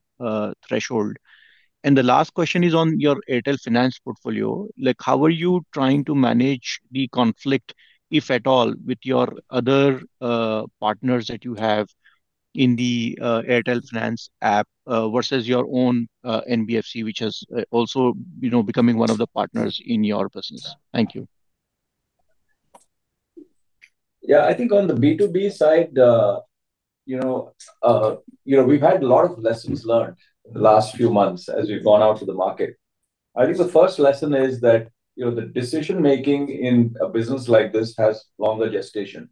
threshold? The last question is on your Airtel Finance portfolio. How are you trying to manage the conflict, if at all, with your other partners that you have in the Airtel Finance app versus your own NBFC, which is also becoming one of the partners in your business? Thank you. Yeah, I think on the B2B side, we've had a lot of lessons learned in the last few months as we've gone out to the market. I think the first lesson is that the decision-making in a business like this has longer gestation.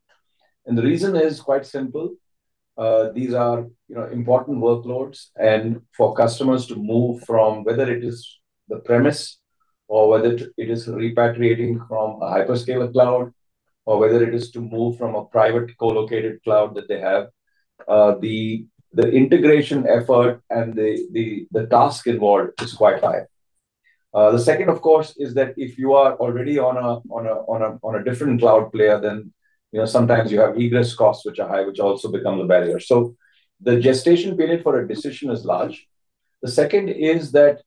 The reason is quite simple. These are important workloads, and for customers to move from, whether it is the premise or whether it is repatriating from a hyperscaler cloud, or whether it is to move from a private co-located cloud that they have, the integration effort and the task involved is quite high. The second, of course, is that if you are already on a different cloud player, then sometimes you have egress costs which are high, which also become a barrier. The gestation period for a decision is large. The second is that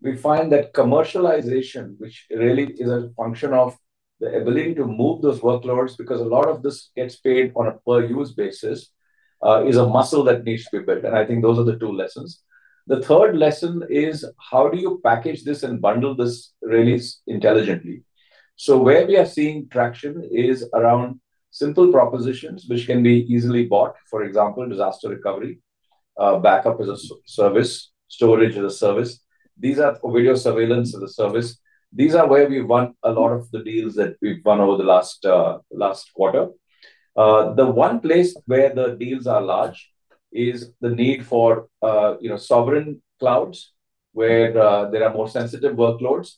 we find that commercialization, which really is a function of the ability to move those workloads, because a lot of this gets paid on a per-use basis, is a muscle that needs to be built. I think those are the two lessons. The third lesson is how do you package this and bundle this really intelligently. Where we are seeing traction is around simple propositions which can be easily bought. For example, disaster recovery, backup as a service, storage as a service. These are video surveillance as a service. These are where we've won a lot of the deals that we've won over the last quarter. The one place where the deals are large is the need for sovereign clouds where there are more sensitive workloads.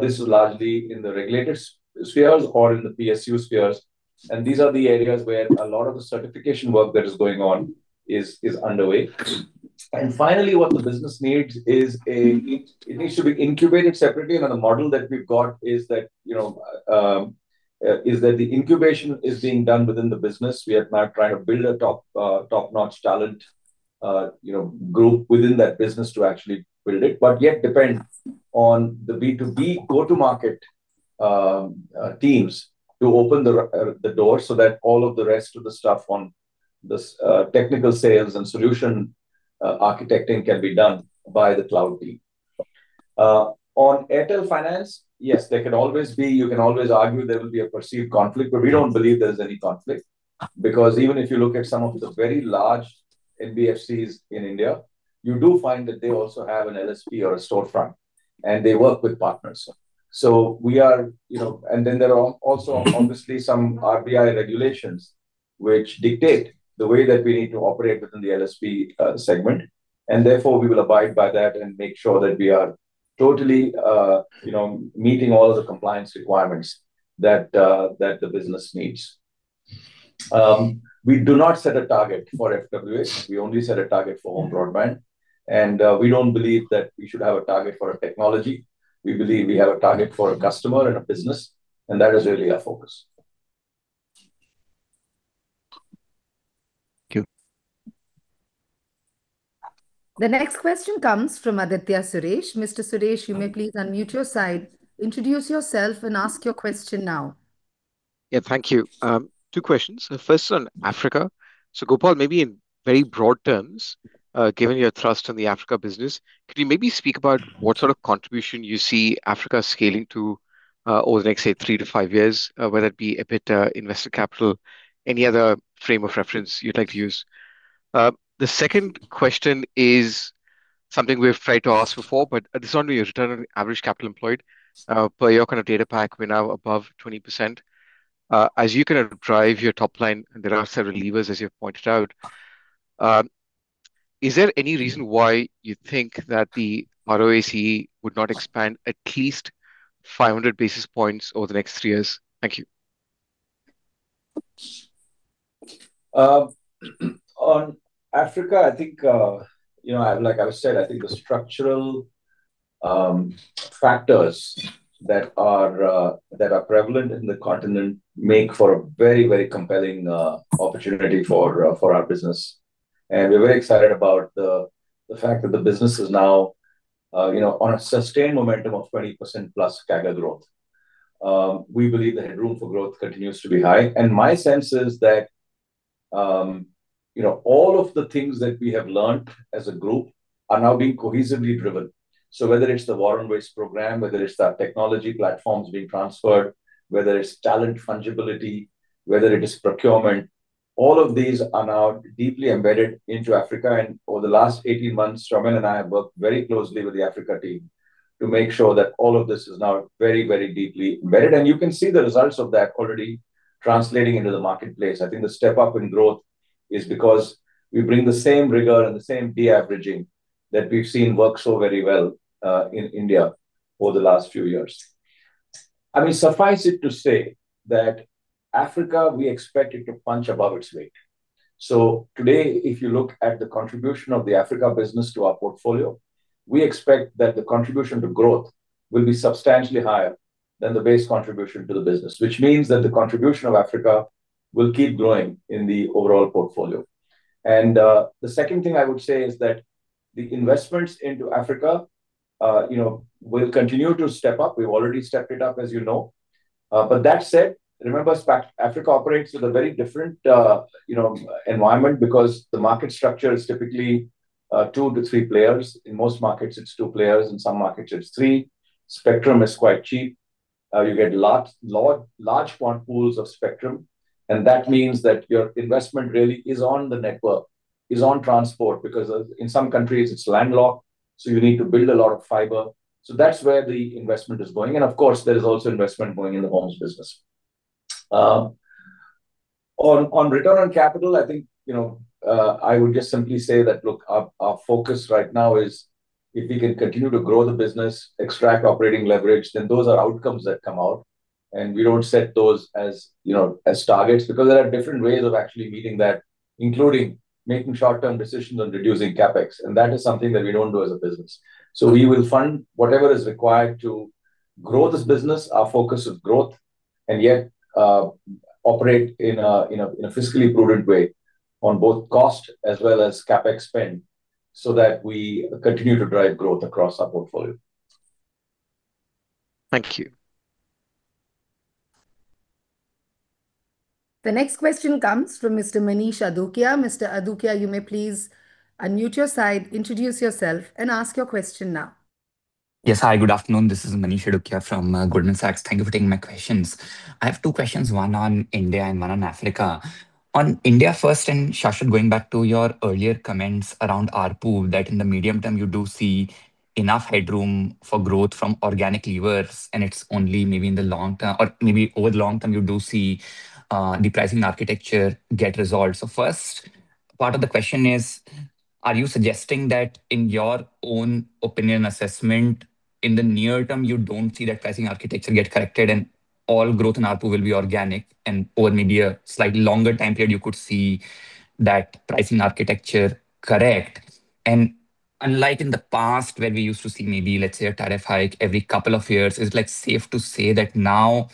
This is largely in the regulated spheres or in the PSU spheres, and these are the areas where a lot of the certification work that is going on is underway. Finally, what the business needs is, it needs to be incubated separately. The model that we've got is that the incubation is being done within the business. We are now trying to build a top-notch talent group within that business to actually build it, but yet depend on the B2B go-to-market teams to open the door so that all of the rest of the stuff on this technical sales and solution architecting can be done by the cloud team. On Airtel Finance, yes, there can always be, you can always argue there will be a perceived conflict, but we don't believe there's any conflict. Even if you look at some of the very large NBFCs in India, you do find that they also have an LSP or a storefront, and they work with partners. There are also obviously some RBI regulations which dictate the way that we need to operate within the LSP segment, and therefore, we will abide by that and make sure that we are totally meeting all of the compliance requirements that the business needs. We do not set a target for FWA. We only set a target for home broadband, and we don't believe that we should have a target for a technology. We believe we have a target for a customer and a business, and that is really our focus. Thank you. The next question comes from Aditya Suresh. Mr. Suresh, you may please unmute your side, introduce yourself, and ask your question now. Thank you. Two questions. The first on Africa. Gopal, maybe in very broad terms, given your thrust on the Africa business, could you maybe speak about what sort of contribution you see Africa scaling to over the next, say, three to five years, whether it be EBITDA, investor capital, any other frame of reference you'd like to use? The second question is something we've tried to ask before, but this one will be return on average capital employed. Per your kind of data pack, we're now above 20%. As you kind of drive your top line, and there are several levers, as you've pointed out, is there any reason why you think that the ROACE would not expand at least 500 basis points over the next three years? Thank you. On Africa, like I've said, I think the structural factors that are prevalent in the continent make for a very, very compelling opportunity for our business. We're very excited about the fact that the business is now on a sustained momentum of 20%+ CAGR growth. We believe the headroom for growth continues to be high. My sense is that all of the things that we have learnt as a group are now being cohesively driven. Whether it's the War on Waste program, whether it's the technology platforms being transferred, whether it's talent fungibility, whether it is procurement, all of these are now deeply embedded into Africa. Over the last 18 months, Soumen and I have worked very closely with the Africa team to make sure that all of this is now very, very deeply embedded. You can see the results of that already translating into the marketplace. I think the step-up in growth is because we bring the same rigor and the same de-averaging that we've seen work so very well in India over the last few years. I mean, suffice it to say that Africa, we expect it to punch above its weight. Today, if you look at the contribution of the Africa business to our portfolio, we expect that the contribution to growth will be substantially higher than the base contribution to the business, which means that the contribution of Africa will keep growing in the overall portfolio. The second thing I would say is that the investments into Africa will continue to step up. We've already stepped it up, as you know. That said, remember Africa operates with a very different environment because the market structure is typically two to three players. In most markets, it's two players. In some markets, it's three. Spectrum is quite cheap. You get large pools of spectrum, and that means that your investment really is on the network, is on transport. In some countries it's landlocked, so you need to build a lot of fiber. That's where the investment is going. Of course, there is also investment going in the homes business. On return on capital, I think, I would just simply say that, look, our focus right now is if we can continue to grow the business, extract operating leverage, then those are outcomes that come out. We don't set those as targets because there are different ways of actually meeting that, including making short-term decisions on reducing CapEx. That is something that we don't do as a business. We will fund whatever is required to grow this business, our focus is growth, and yet operate in a fiscally prudent way on both cost as well as CapEx spend so that we continue to drive growth across our portfolio. Thank you. The next question comes from Mr. Manish Adukia. Mr. Adukia, you may please unmute your side, introduce yourself, and ask your question now. Yes. Hi, good afternoon. This is Manish Adukia from Goldman Sachs. Thank you for taking my questions. I have two questions, one on India and one on Africa. On India first, Shashwat, going back to your earlier comments around ARPU, that in the medium-term you do see enough headroom for growth from organic levers, and it's only maybe in the long-term or maybe over the long-term you do see the pricing architecture get resolved. Part of the question is, are you suggesting that in your own opinion assessment, in the near-term, you don't see that pricing architecture get corrected and all growth in ARPU will be organic and over maybe a slightly longer time period, you could see that pricing architecture correct? Unlike in the past where we used to see maybe, let's say, a tariff hike every couple of years, is it safe to say that now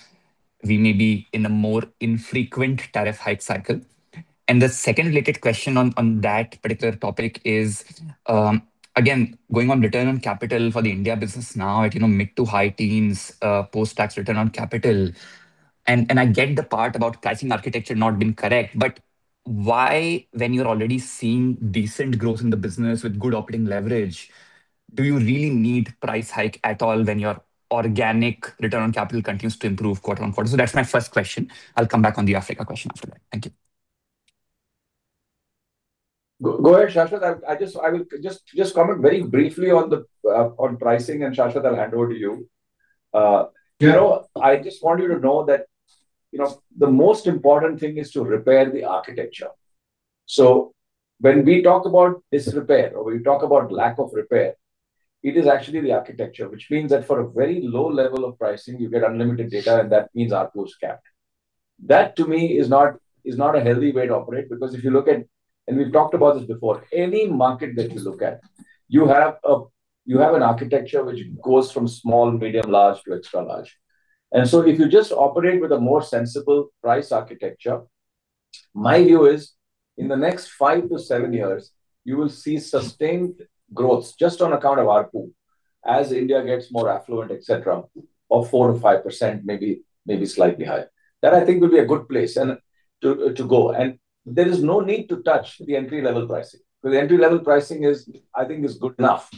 we may be in a more infrequent tariff hike cycle? The second related question on that particular topic is, again, going on return on capital for the India business now at mid to high teens, post-tax return on capital. I get the part about pricing architecture not being correct. But why, when you're already seeing decent growth in the business with good operating leverage, do you really need price hike at all when your organic return on capital continues to improve quarter-on-quarter? That's my first question. I'll come back on the Africa question after that. Thank you. Go ahead, Shashwat. I will just comment very briefly on pricing, and, Shashwat, I'll hand over to you. I just want you to know that the most important thing is to repair the architecture. When we talk about disrepair or we talk about lack of repair, it is actually the architecture, which means that for a very low level of pricing, you get unlimited data, and that means ARPU is capped. That to me is not a healthy way to operate because if you look at, and we've talked about this before, any market that you look at, you have an architecture which goes from small, medium, large to extra large. If you just operate with a more sensible price architecture, my view is in the next five to seven years, you will see sustained growth just on account of ARPU as India gets more affluent, et cetera, of 4%-5%, maybe slightly higher. That I think will be a good place to go. There is no need to touch the entry-level pricing, because the entry-level pricing, I think, is good enough.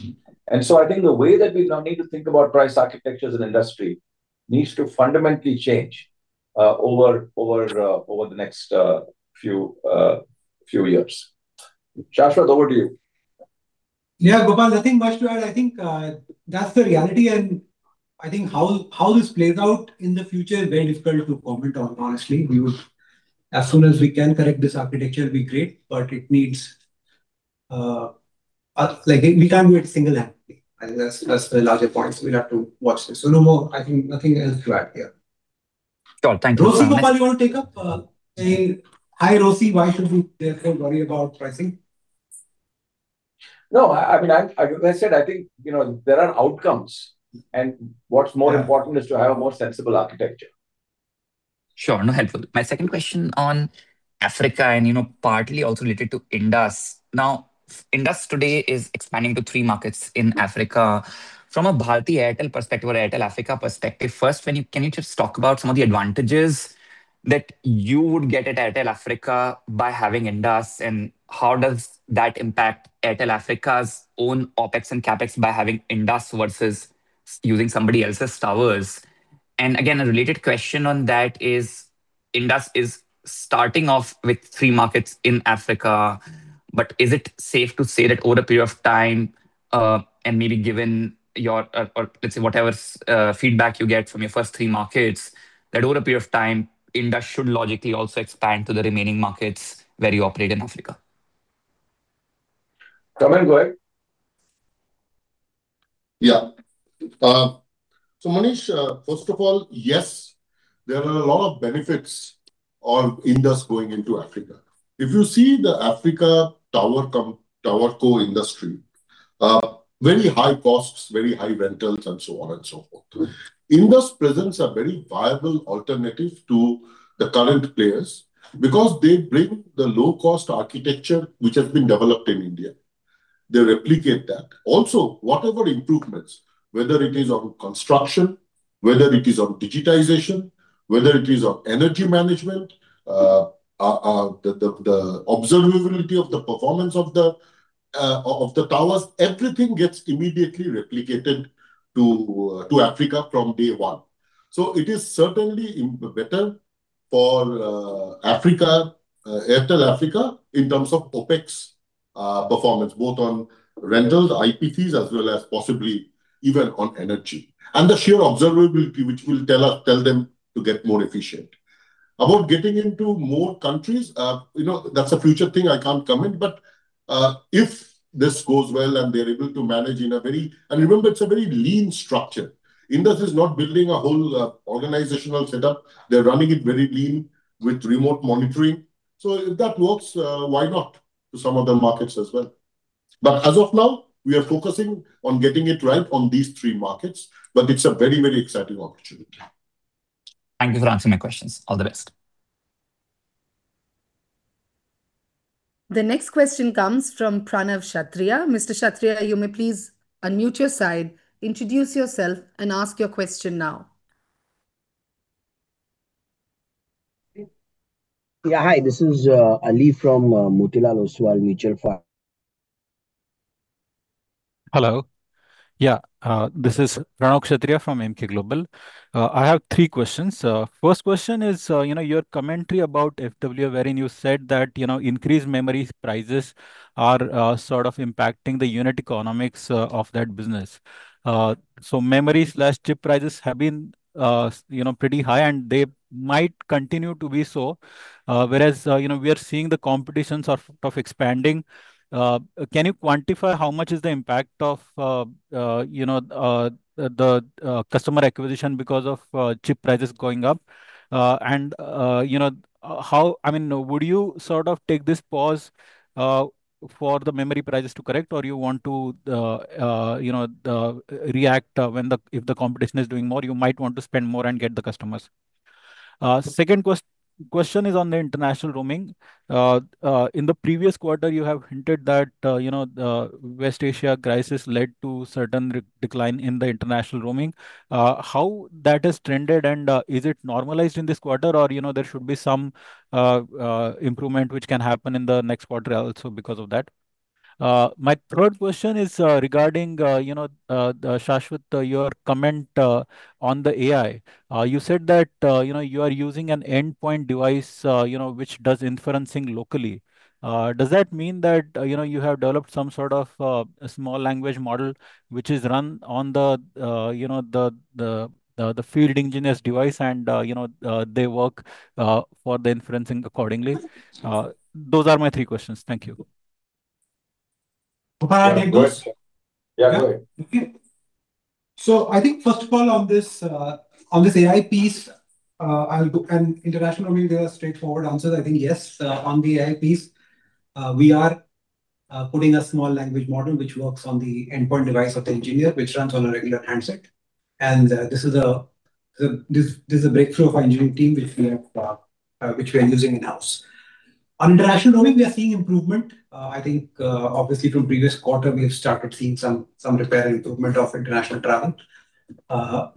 I think the way that we now need to think about price architecture as an industry needs to fundamentally change over the next few years. Shashwat, over to you. Gopal, nothing much to add. I think that's the reality and I think how this plays out in the future, very difficult to comment on honestly. As soon as we can correct this architecture, it'd be great, but we can't do it single-handedly. I think that's the larger point, so we'll have to watch this. No, I think nothing else to add here. Cool. Thank you. Gopal, you want to take up saying high ROC, why should we therefore worry about pricing? No, as I said, I think there are outcomes, and what's more important is to have a more sensible architecture. Sure. No, helpful. My second question on Africa, and partly also related to Indus. Indus today is expanding to three markets in Africa. From a Bharti Airtel perspective or Airtel Africa perspective, first, can you just talk about some of the advantages that you would get at Airtel Africa by having Indus, and how does that impact Airtel Africa's own OpEx and CapEx by having Indus versus using somebody else's towers? A related question on that is Indus is starting off with three markets in Africa, but is it safe to say that over a period of time, and maybe given your, or let's say, whatever feedback you get from your first three markets, that over a period of time, Indus should logically also expand to the remaining markets where you operate in Africa? Soumen, go ahead. Yeah. Manish, first of all, yes, there are a lot of benefits of Indus going into Africa. If you see the Africa tower co-industry, very high costs, very high rentals, and so on and so forth. Indus presents a very viable alternative to the current players because they bring the low-cost architecture which has been developed in India. They replicate that. Also, whatever improvements, whether it is of construction, whether it is of digitization, whether it is of energy management, the observability of the performance of the towers, everything gets immediately replicated to Africa from day one. It is certainly better for Airtel Africa in terms of OpEx, performance, both on rentals, IP fees, as well as possibly even on energy. The sheer observability, which will tell them to get more efficient. About getting into more countries, that is a future thing I cannot comment, but if this goes well and they are able to manage. Remember, it is a very lean structure. Indus is not building a whole organizational setup. They are running it very lean with remote monitoring. If that works, why not to some other markets as well? As of now, we are focusing on getting it right on these three markets, but it is a very, very exciting opportunity. Thank you for answering my questions. All the best. The next question comes from Pranav Kshatriya. Mr. Kshatriya, you may please unmute your side, introduce yourself, and ask your question now. Yeah. Hi, this is Ali from Motilal Oswal. Hello. Yeah. This is Pranav Kshatriya from Emkay Global. I have three questions. First question is your commentary about FWA wherein you said that increased memory prices are sort of impacting the unit economics of that business. Memory/chip prices have been pretty high and they might continue to be so, whereas we are seeing the competitions are sort of expanding. Can you quantify how much is the impact of the customer acquisition because of chip prices going up? Would you sort of take this pause for the memory prices to correct or you want to react if the competition is doing more, you might want to spend more and get the customers? Second question is on the international roaming. In the previous quarter, you have hinted that West Asia crisis led to certain decline in the international roaming. How that has trended and is it normalized in this quarter or there should be some improvement which can happen in the next quarter also because of that? My third question is regarding, Shashwat, your comment on the AI. You said that you are using an endpoint device which does inferencing locally. Does that mean that you have developed some sort of a small language model which is run on the field engineer's device and they work for the inferencing accordingly? Those are my three questions. Thank you. May I take those? Yeah, go ahead. Okay. I think first of all on this AI piece and international roaming, there are straightforward answers. I think yes, on the AI piece, we are putting a small language model which works on the endpoint device of the engineer, which runs on a regular handset. This is a breakthrough of our engineering team which we are using in-house. On international roaming, we are seeing improvement. Obviously from previous quarter, we have started seeing some repair improvement of international travel.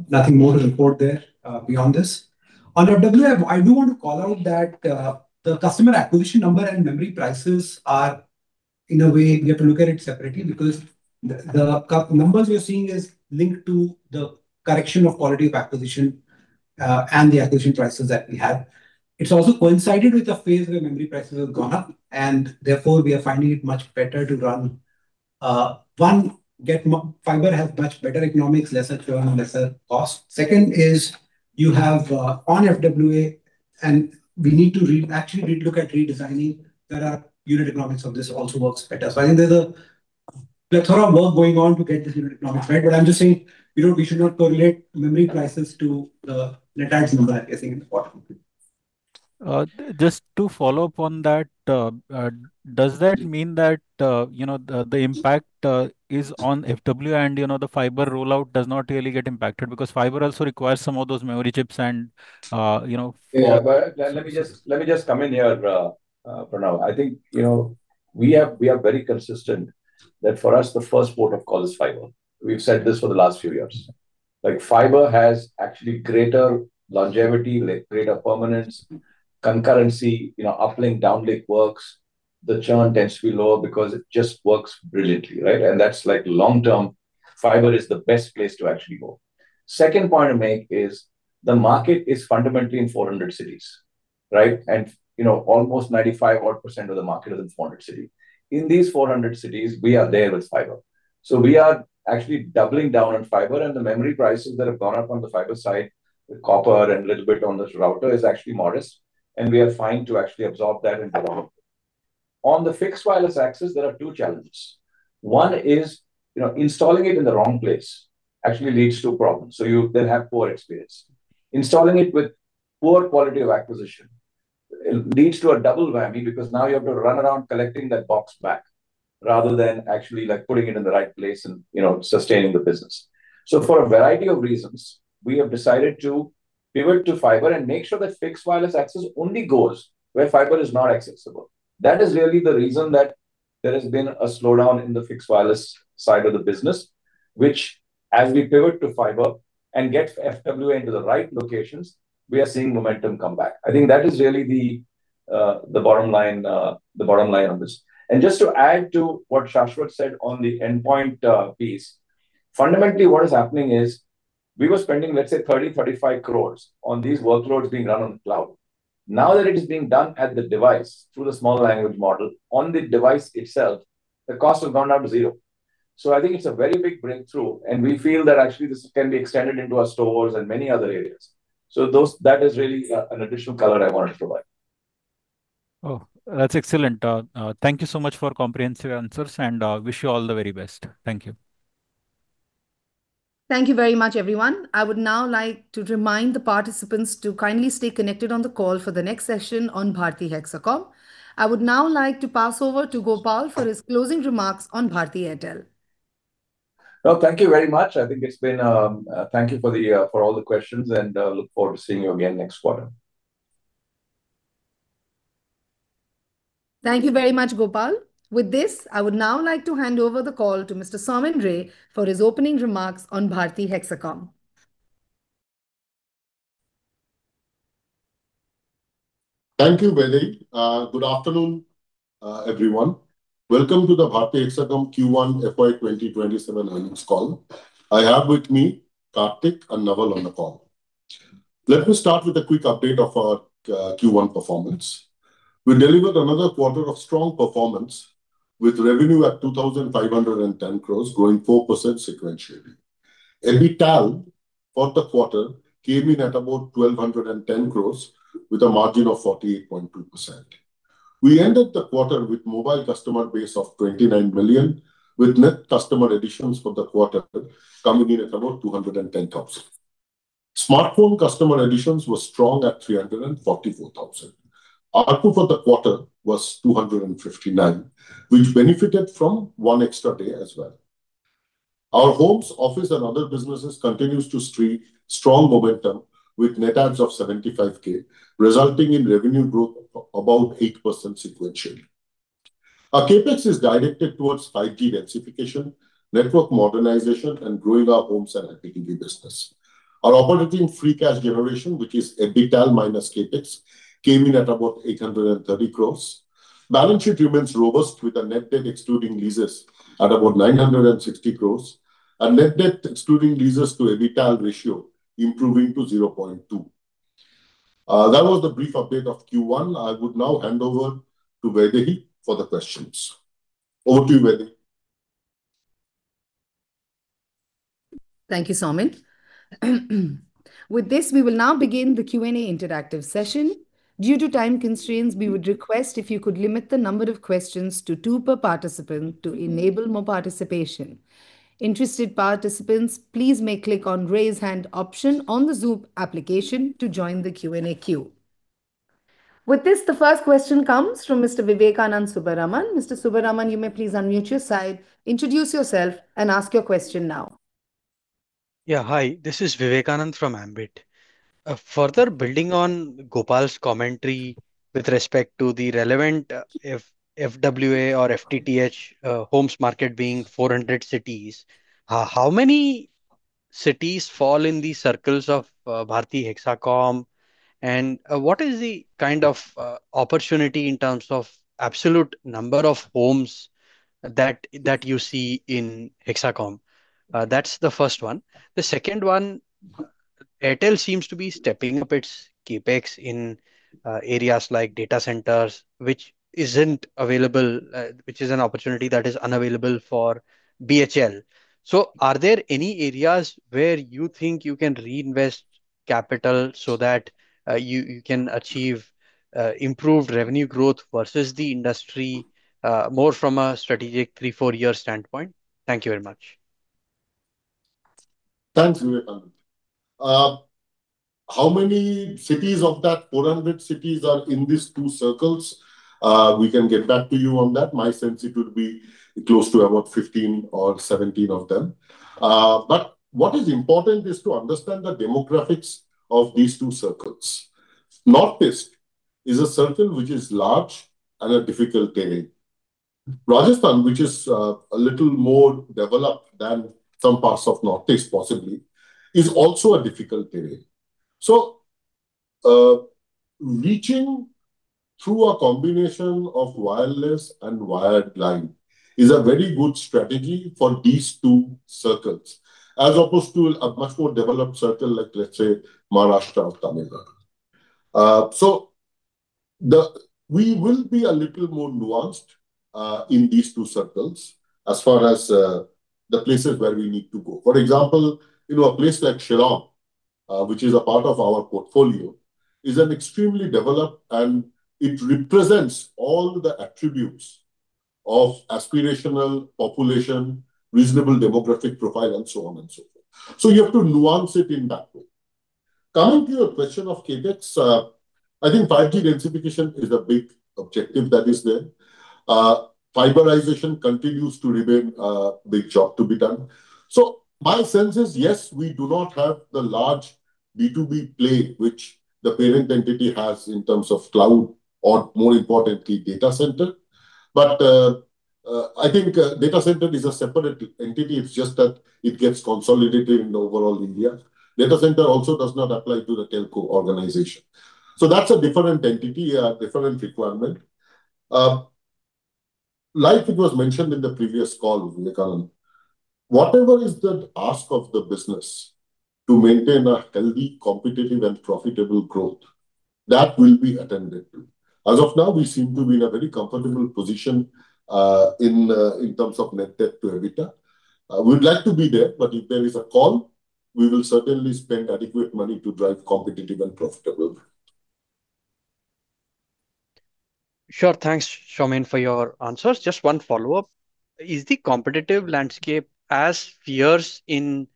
Nothing more to report there beyond this. On FWA, I do want to call out that the customer acquisition number and memory prices are in a way, we have to look at it separately because the numbers we are seeing is linked to the correction of quality of acquisition and the acquisition prices that we have. It's also coincided with the phase where memory prices have gone up, therefore, we are finding it much better to run. One, fiber has much better economics, lesser churn, lesser cost. Second is you have on FWA, and we need to actually relook at redesigning that our unit economics of this also works better. I think there's a plethora of work going on to get this unit economics right. I'm just saying we should not correlate memory prices to the net adds number. I think it's important. Just to follow up on that, does that mean that the impact is on FWA and the fiber rollout does not really get impacted because fiber also requires some of those memory chips? Yeah, let me just come in here, Pranav. I think we are very consistent that for us the first port of call is fiber. We've said this for the last few years. Fiber has actually greater longevity, greater permanence, concurrency, uplink, downlink works. The churn tends to be lower because it just works brilliantly, right? That's like long-term, fiber is the best place to actually go. Second point I'll make is the market is fundamentally in 400 cities, right? Almost 95 odd percent of the market is in 400 city. In these 400 cities, we are there with fiber. We are actually doubling down on fiber and the memory prices that have gone up on the fiber side with copper and little bit on the router is actually modest, and we are fine to actually absorb that and move on. On the fixed wireless access, there are two challenges. One is installing it in the wrong place actually leads to problems, so you then have poor experience. Installing it with poor quality of acquisition leads to a double whammy because now you have to run around collecting that box back rather than actually putting it in the right place and sustaining the business. For a variety of reasons, we have decided to pivot to fiber and make sure that fixed wireless access only goes where fiber is not accessible. That is really the reason that there has been a slowdown in the fixed wireless side of the business, which as we pivot to fiber and get FWA into the right locations, we are seeing momentum come back. I think that is really the bottom line on this. Just to add to what Shashwat said on the endpoint piece. Fundamentally, what is happening is we were spending, let's say, 30 crores-35 crores on these workloads being run on cloud. Now that it is being done at the device through the small language model on the device itself, the cost has gone down to zero. I think it's a very big breakthrough, and we feel that actually this can be extended into our stores and many other areas. That is really an additional color I wanted to provide. Oh, that's excellent. Thank you so much for comprehensive answers and wish you all the very best. Thank you. Thank you very much, everyone. I would now like to remind the participants to kindly stay connected on the call for the next session on Bharti Hexacom. I would now like to pass over to Gopal for his closing remarks on Bharti Airtel. Well, thank you very much. Thank you for all the questions and look forward to seeing you again next quarter. Thank you very much, Gopal. With this, I would now like to hand over the call to Mr. Soumen Ray for his opening remarks on Bharti Hexacom. Thank you, Vaidehi. Good afternoon, everyone. Welcome to the Bharti Hexacom Q1 FY 2027 earnings call. I have with me Karthik and Naval on the call. Let me start with a quick update of our Q1 performance. We delivered another quarter of strong performance, with revenue at 2,510 crores, growing 4% sequentially. EBITDAL for the quarter came in at about 1,210 crores with a margin of 48.2%. We ended the quarter with mobile customer base of 29 million, with net customer additions for the quarter coming in at about 210,000. Smartphone customer additions were strong at 344,000. ARPU for the quarter was 259. We benefited from one extra day as well. Our homes, office, and other businesses continues to streak strong momentum with net adds of 75,000, resulting in revenue growth of about 8% sequentially. Our CapEx is directed towards 5G densification, network modernization, and growing our homes and SME business. Our operating free cash generation, which is EBITDAL minus CapEx, came in at about 830 crores. Balance sheet remains robust with a net debt excluding leases at about 960 crores, and net debt excluding leases to EBITDAL ratio improving to 0.2. That was the brief update of Q1. I would now hand over to Vaidehi for the questions. Over to you, Vaidehi. Thank you, Soumen. With this, we will now begin the Q&A interactive session. Due to time constraints, we would request if you could limit the number of questions to two per participant to enable more participation. Interested participants, please may click on Raise Hand option on the Zoom application to join the Q&A queue. With this, the first question comes from Mr. Vivekanand Subbaraman. Mr. Subbaraman, you may please unmute your side, introduce yourself, and ask your question now. Hi, this is Vivekanand from Ambit. Further building on Gopal's commentary with respect to the relevant FWA or FTTH homes market being 400 cities, how many cities fall in the circles of Bharti Hexacom? What is the kind of opportunity in terms of absolute number of homes that you see in Hexacom? That's the first one. The second one, Airtel seems to be stepping up its CapEx in areas like data centers, which is an opportunity that is unavailable for BHL. Are there any areas where you think you can reinvest capital so that you can achieve improved revenue growth versus the industry, more from a strategic three, four-year standpoint? Thank you very much. Thanks, Vivekanand. How many cities of that 400 cities are in these two circles? We can get back to you on that. My sense, it would be close to about 15 or 17 of them. What is important is to understand the demographics of these two circles. Northeast is a circle which is large and a difficult terrain. Rajasthan, which is a little more developed than some parts of Northeast, possibly, is also a difficult terrain. Reaching through a combination of wireless and wired line is a very good strategy for these two circles, as opposed to a much more developed circle, like, let's say, Maharashtra or Tamil Nadu. We will be a little more nuanced in these two circles as far as the places where we need to go. For example, a place like Shillong, which is a part of our portfolio, is an extremely developed, and it represents all the attributes of aspirational population, reasonable demographic profile, and so on and so forth. You have to nuance it in that way. Coming to your question of CapEx, I think 5G densification is a big objective that is there. Fiberization continues to remain a big job to be done. My sense is, yes, we do not have the large B2B play, which the parent entity has in terms of cloud or more importantly, data center. I think data center is a separate entity, it's just that it gets consolidated in overall India. Data center also does not apply to the telco organization. That's a different entity, a different requirement. Like it was mentioned in the previous call, Vivekanand, whatever is the ask of the business to maintain a healthy, competitive, and profitable growth, that will be attended to. As of now, we seem to be in a very comfortable position in terms of net debt to EBITDA. We would like to be there, but if there is a call, we will certainly spend adequate money to drive competitive and profitable. Sure. Thanks, Soumen, for your answers. Just one follow-up. Is the competitive landscape as fierce in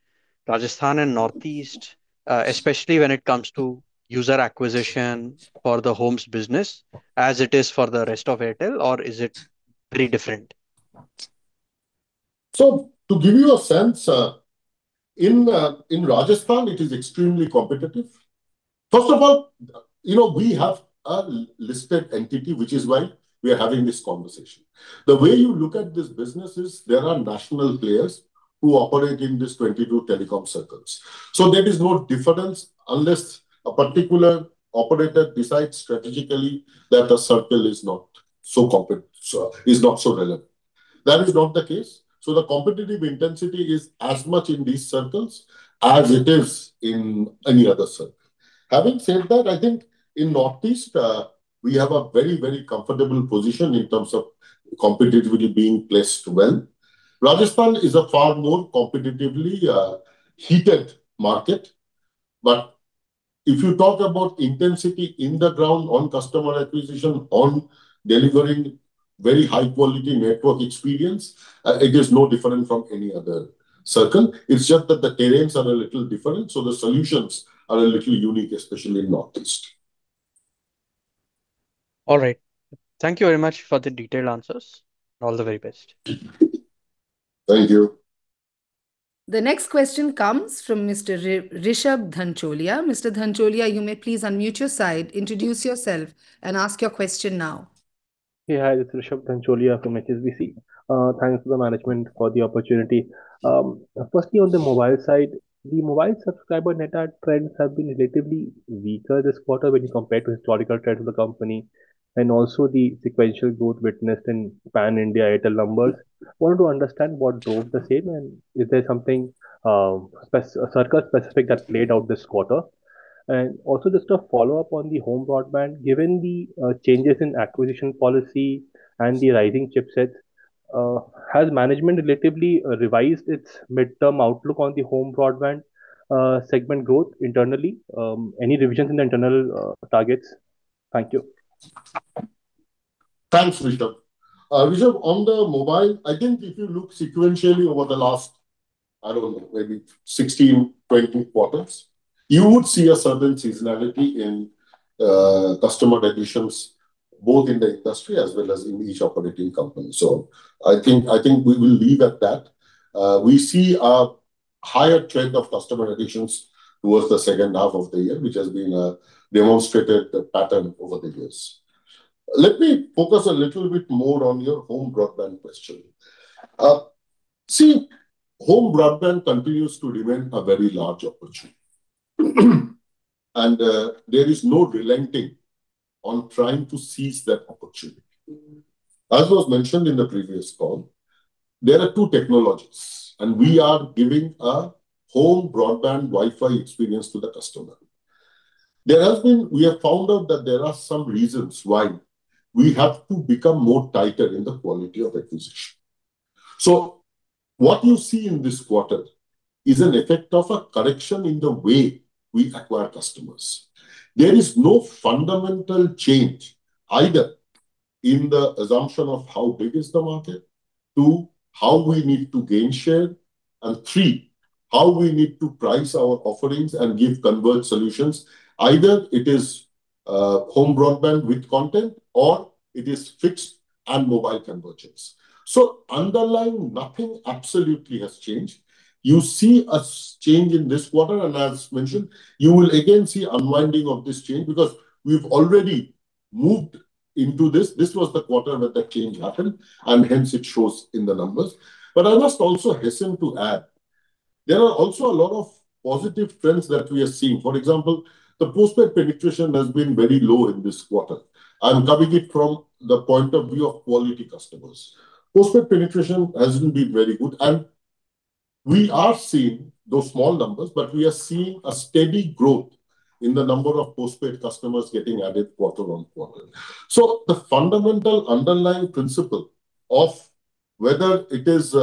Rajasthan and Northeast, especially when it comes to user acquisition for the homes business as it is for the rest of Airtel, or is it pretty different? To give you a sense, in Rajasthan it is extremely competitive. First of all, we have a listed entity, which is why we are having this conversation. The way you look at this business is there are national players who operate in these 22 telecom circles. There is no difference unless a particular operator decides strategically that a circle is not so relevant. That is not the case, the competitive intensity is as much in these circles as it is in any other circle. Having said that, I think in Northeast, we have a very, very comfortable position in terms of competitively being placed well. Rajasthan is a far more competitively heated market. If you talk about intensity in the ground on customer acquisition, on delivering very high-quality network experience, it is no different from any other circle. It's just that the terrains are a little different, so the solutions are a little unique, especially in Northeast. All right. Thank you very much for the detailed answers. All the very best. Thank you. The next question comes from Mr. Rishabh Dhancholia. Mr. Dhancholia, you may please unmute your side, introduce yourself and ask your question now. Yeah, hi. This is Rishabh Dhancholia from HSBC. Thanks to the management for the opportunity. Firstly, on the mobile side, the mobile subscriber net add trends have been relatively weaker this quarter when you compare to historical trends of the company, also the sequential growth witnessed in pan-India Airtel numbers. Wanted to understand what drove the same, is there something circle specific that played out this quarter? Also, just a follow-up on the home broadband. Given the changes in acquisition policy and the rising chipsets, has management relatively revised its midterm outlook on the home broadband segment growth internally? Any revisions in the internal targets? Thank you. Thanks, Rishabh. Rishabh, on the mobile, I think if you look sequentially over the last, I don't know, maybe 16, 20 quarters, you would see a certain seasonality in customer acquisitions, both in the industry as well as in each operating company. I think we will leave at that. We see a higher trend of customer additions towards the second half of the year, which has been a demonstrated pattern over the years. Let me focus a little bit more on your home broadband question. See, home broadband continues to remain a very large opportunity. There is no relenting on trying to seize that opportunity. As was mentioned in the previous call, there are two technologies, and we are giving a home broadband Wi-Fi experience to the customer. We have found out that there are some reasons why we have to become more tighter in the quality of acquisition. What you see in this quarter is an effect of a correction in the way we acquire customers. There is no fundamental change either in the assumption of how big is the market, two, how we need to gain share, three, how we need to price our offerings and give converged solutions. Either it is home broadband with content or it is fixed and mobile convergence. Underlying, nothing absolutely has changed. You see a change in this quarter, and as mentioned, you will again see unwinding of this change because we've already moved into this. This was the quarter that the change happened, hence it shows in the numbers. I must also hasten to add, there are also a lot of positive trends that we are seeing. For example, the postpaid penetration has been very low in this quarter. I am covering it from the point of view of quality customers. Postpaid penetration hasn't been very good, and we are seeing those small numbers, but we are seeing a steady growth in the number of postpaid customers getting added quarter on quarter. The fundamental underlying principle of whether it is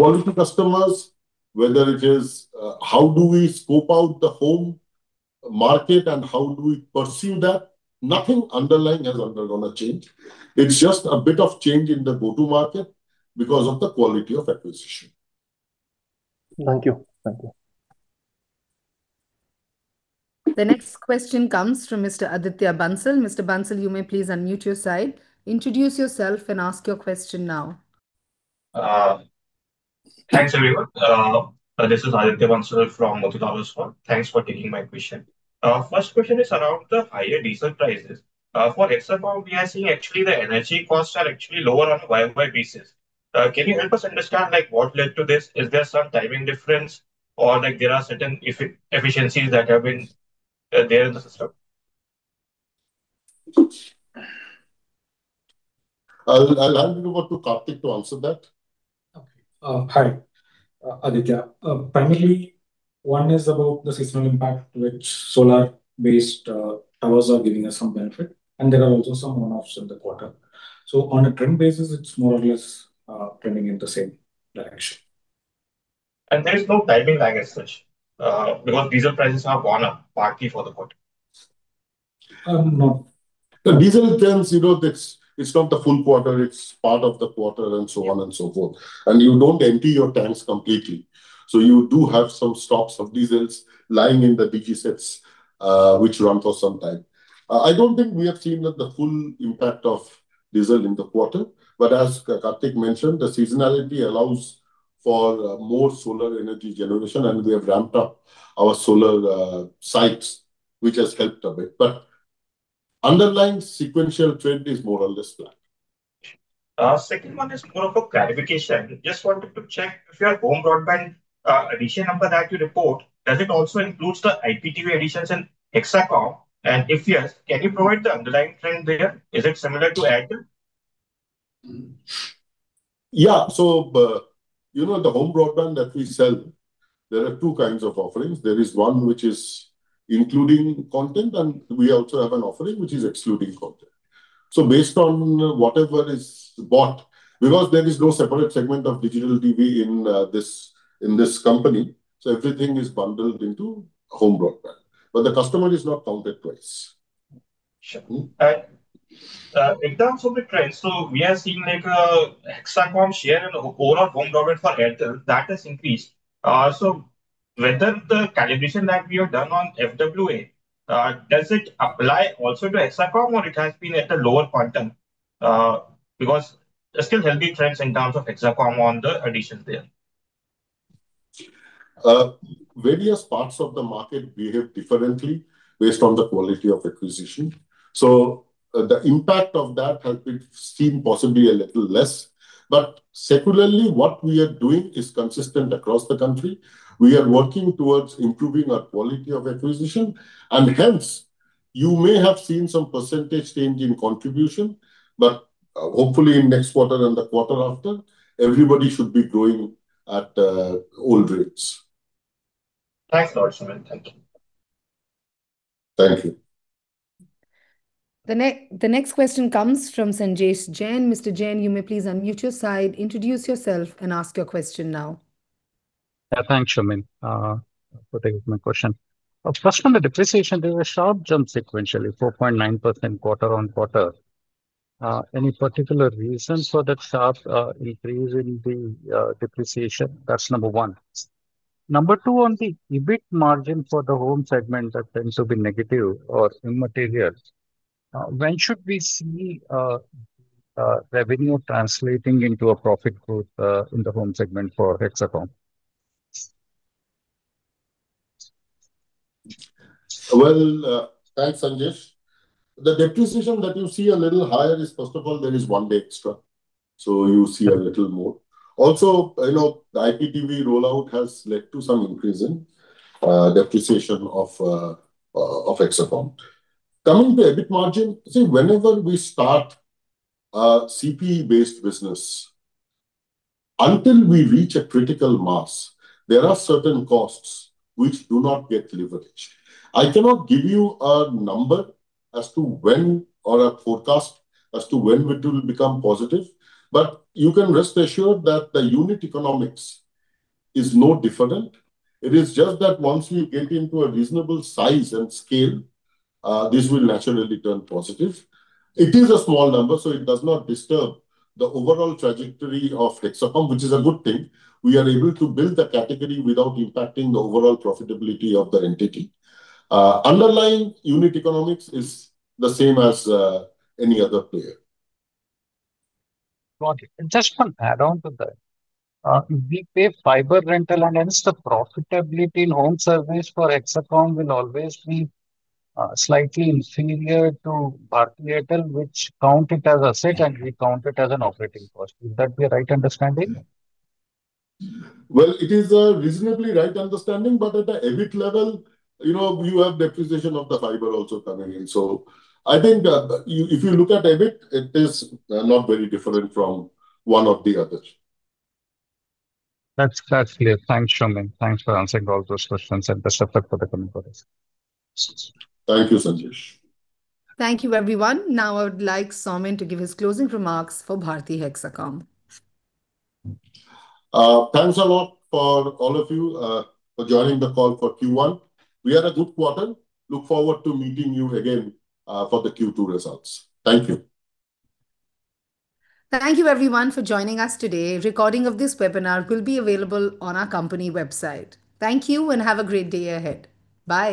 quality customers, whether it is how do we scope out the home market and how do we pursue that, nothing underlying has undergone a change. It is just a bit of change in the go-to market because of the quality of acquisition. Thank you. The next question comes from Mr. Aditya Bansal. Mr. Bansal, you may please unmute your side, introduce yourself and ask your question now. Thanks, everyone. This is Aditya Bansal from Motilal Oswal. Thanks for taking my question. First question is around the higher diesel prices. For Hexacom now we are seeing actually the energy costs are actually lower on a year-over-year basis. Can you help us understand what led to this? Is there some timing difference or there are certain efficiencies that have been there in the system? I'll hand you over to Karthik to answer that. Okay. Hi, Aditya. Primarily, one is about the seasonal impact, which solar-based towers are giving us some benefit, and there are also some one-offs in the quarter. On a trend basis, it's more or less trending in the same direction. There is no timing lag as such because diesel prices have gone up partly for the quarter. No. The diesel trends, it's not the full quarter, it's part of the quarter and so on and so forth. You don't empty your tanks completely. You do have some stocks of diesels lying in the DG sets, which run for some time. I don't think we have seen the full impact of diesel in the quarter, but as Karthik mentioned, the seasonality allows for more solar energy generation and we have ramped up our solar sites, which has helped a bit. Underlying sequential trend is more or less flat. Second one is more of a clarification. Just wanted to check if your home broadband addition number that you report, does it also include the IPTV additions in Hexacom? If yes, can you provide the underlying trend there? Is it similar to Airtel? Yeah. The home broadband that we sell, there are two kinds of offerings. There is one which is including content, and we also have an offering which is excluding content. Based on whatever is bought, because there is no separate segment of digital TV in this company, so everything is bundled into home broadband. The customer is not counted twice. Sure. In terms of the trends, we are seeing a Hexacom share and overall home broadband for Airtel, that has increased. Whether the calibration that we have done on FWA, does it apply also to Hexacom or it has been at a lower quantum? There's still healthy trends in terms of Hexacom on the addition there. Various parts of the market behave differently based on the quality of acquisition. The impact of that has been seen possibly a little less. Secularly, what we are doing is consistent across the country. We are working towards improving our quality of acquisition. Hence, you may have seen some percentage change in contribution, but hopefully in next quarter and the quarter after, everybody should be growing at old rates. Thanks a lot, Soumen. Thank you. Thank you. The next question comes from Sanjesh Jain. Mr. Jain, you may please unmute your side, introduce yourself, and ask your question now. Thanks, Soumen, for taking my question. First, on the depreciation, there was a sharp jump sequentially, 4.9% quarter-on-quarter. Any particular reason for that sharp increase in the depreciation? That's number one. Number two, on the EBIT margin for the home segment that tends to be negative or immaterial, when should we see revenue translating into a profit growth in the home segment for Hexacom? Well, thanks, Sanjesh. The depreciation that you see a little higher is, first of all, there is one day extra. You see a little more. Also, the IPTV rollout has led to some increase in depreciation of Hexacom. Coming to EBIT margin, see, whenever we start a CPE-based business, until we reach a critical mass, there are certain costs which do not get leveraged. I cannot give you a number as to when, or a forecast as to when it will become positive, but you can rest assured that the unit economics is no different. It is just that once we get into a reasonable size and scale, this will naturally turn positive. It is a small number, so it does not disturb the overall trajectory of Hexacom, which is a good thing. We are able to build the category without impacting the overall profitability of the entity. Underlying unit economics is the same as any other player. Got it. Just one add-on to that. We pay fiber rental and hence the profitability in home service for Hexacom will always be slightly inferior to Bharti Airtel, which count it as asset and we count it as an operating cost. Will that be a right understanding? Well, it is a reasonably right understanding, but at the EBIT level, you have depreciation of the fiber also coming in. I think if you look at EBIT, it is not very different from one or the other. That's clear. Thanks, Soumen. Thanks for answering all those questions and best of luck for the coming quarters. Thank you, Sanjesh. Thank you, everyone. Now I would like Soumen to give his closing remarks for Bharti Hexacom. Thanks a lot for all of you for joining the call for Q1. We had a good quarter. Look forward to meeting you again for the Q2 results. Thank you. Thank you, everyone, for joining us today. A recording of this webinar will be available on our company website. Thank you, and have a great day ahead. Bye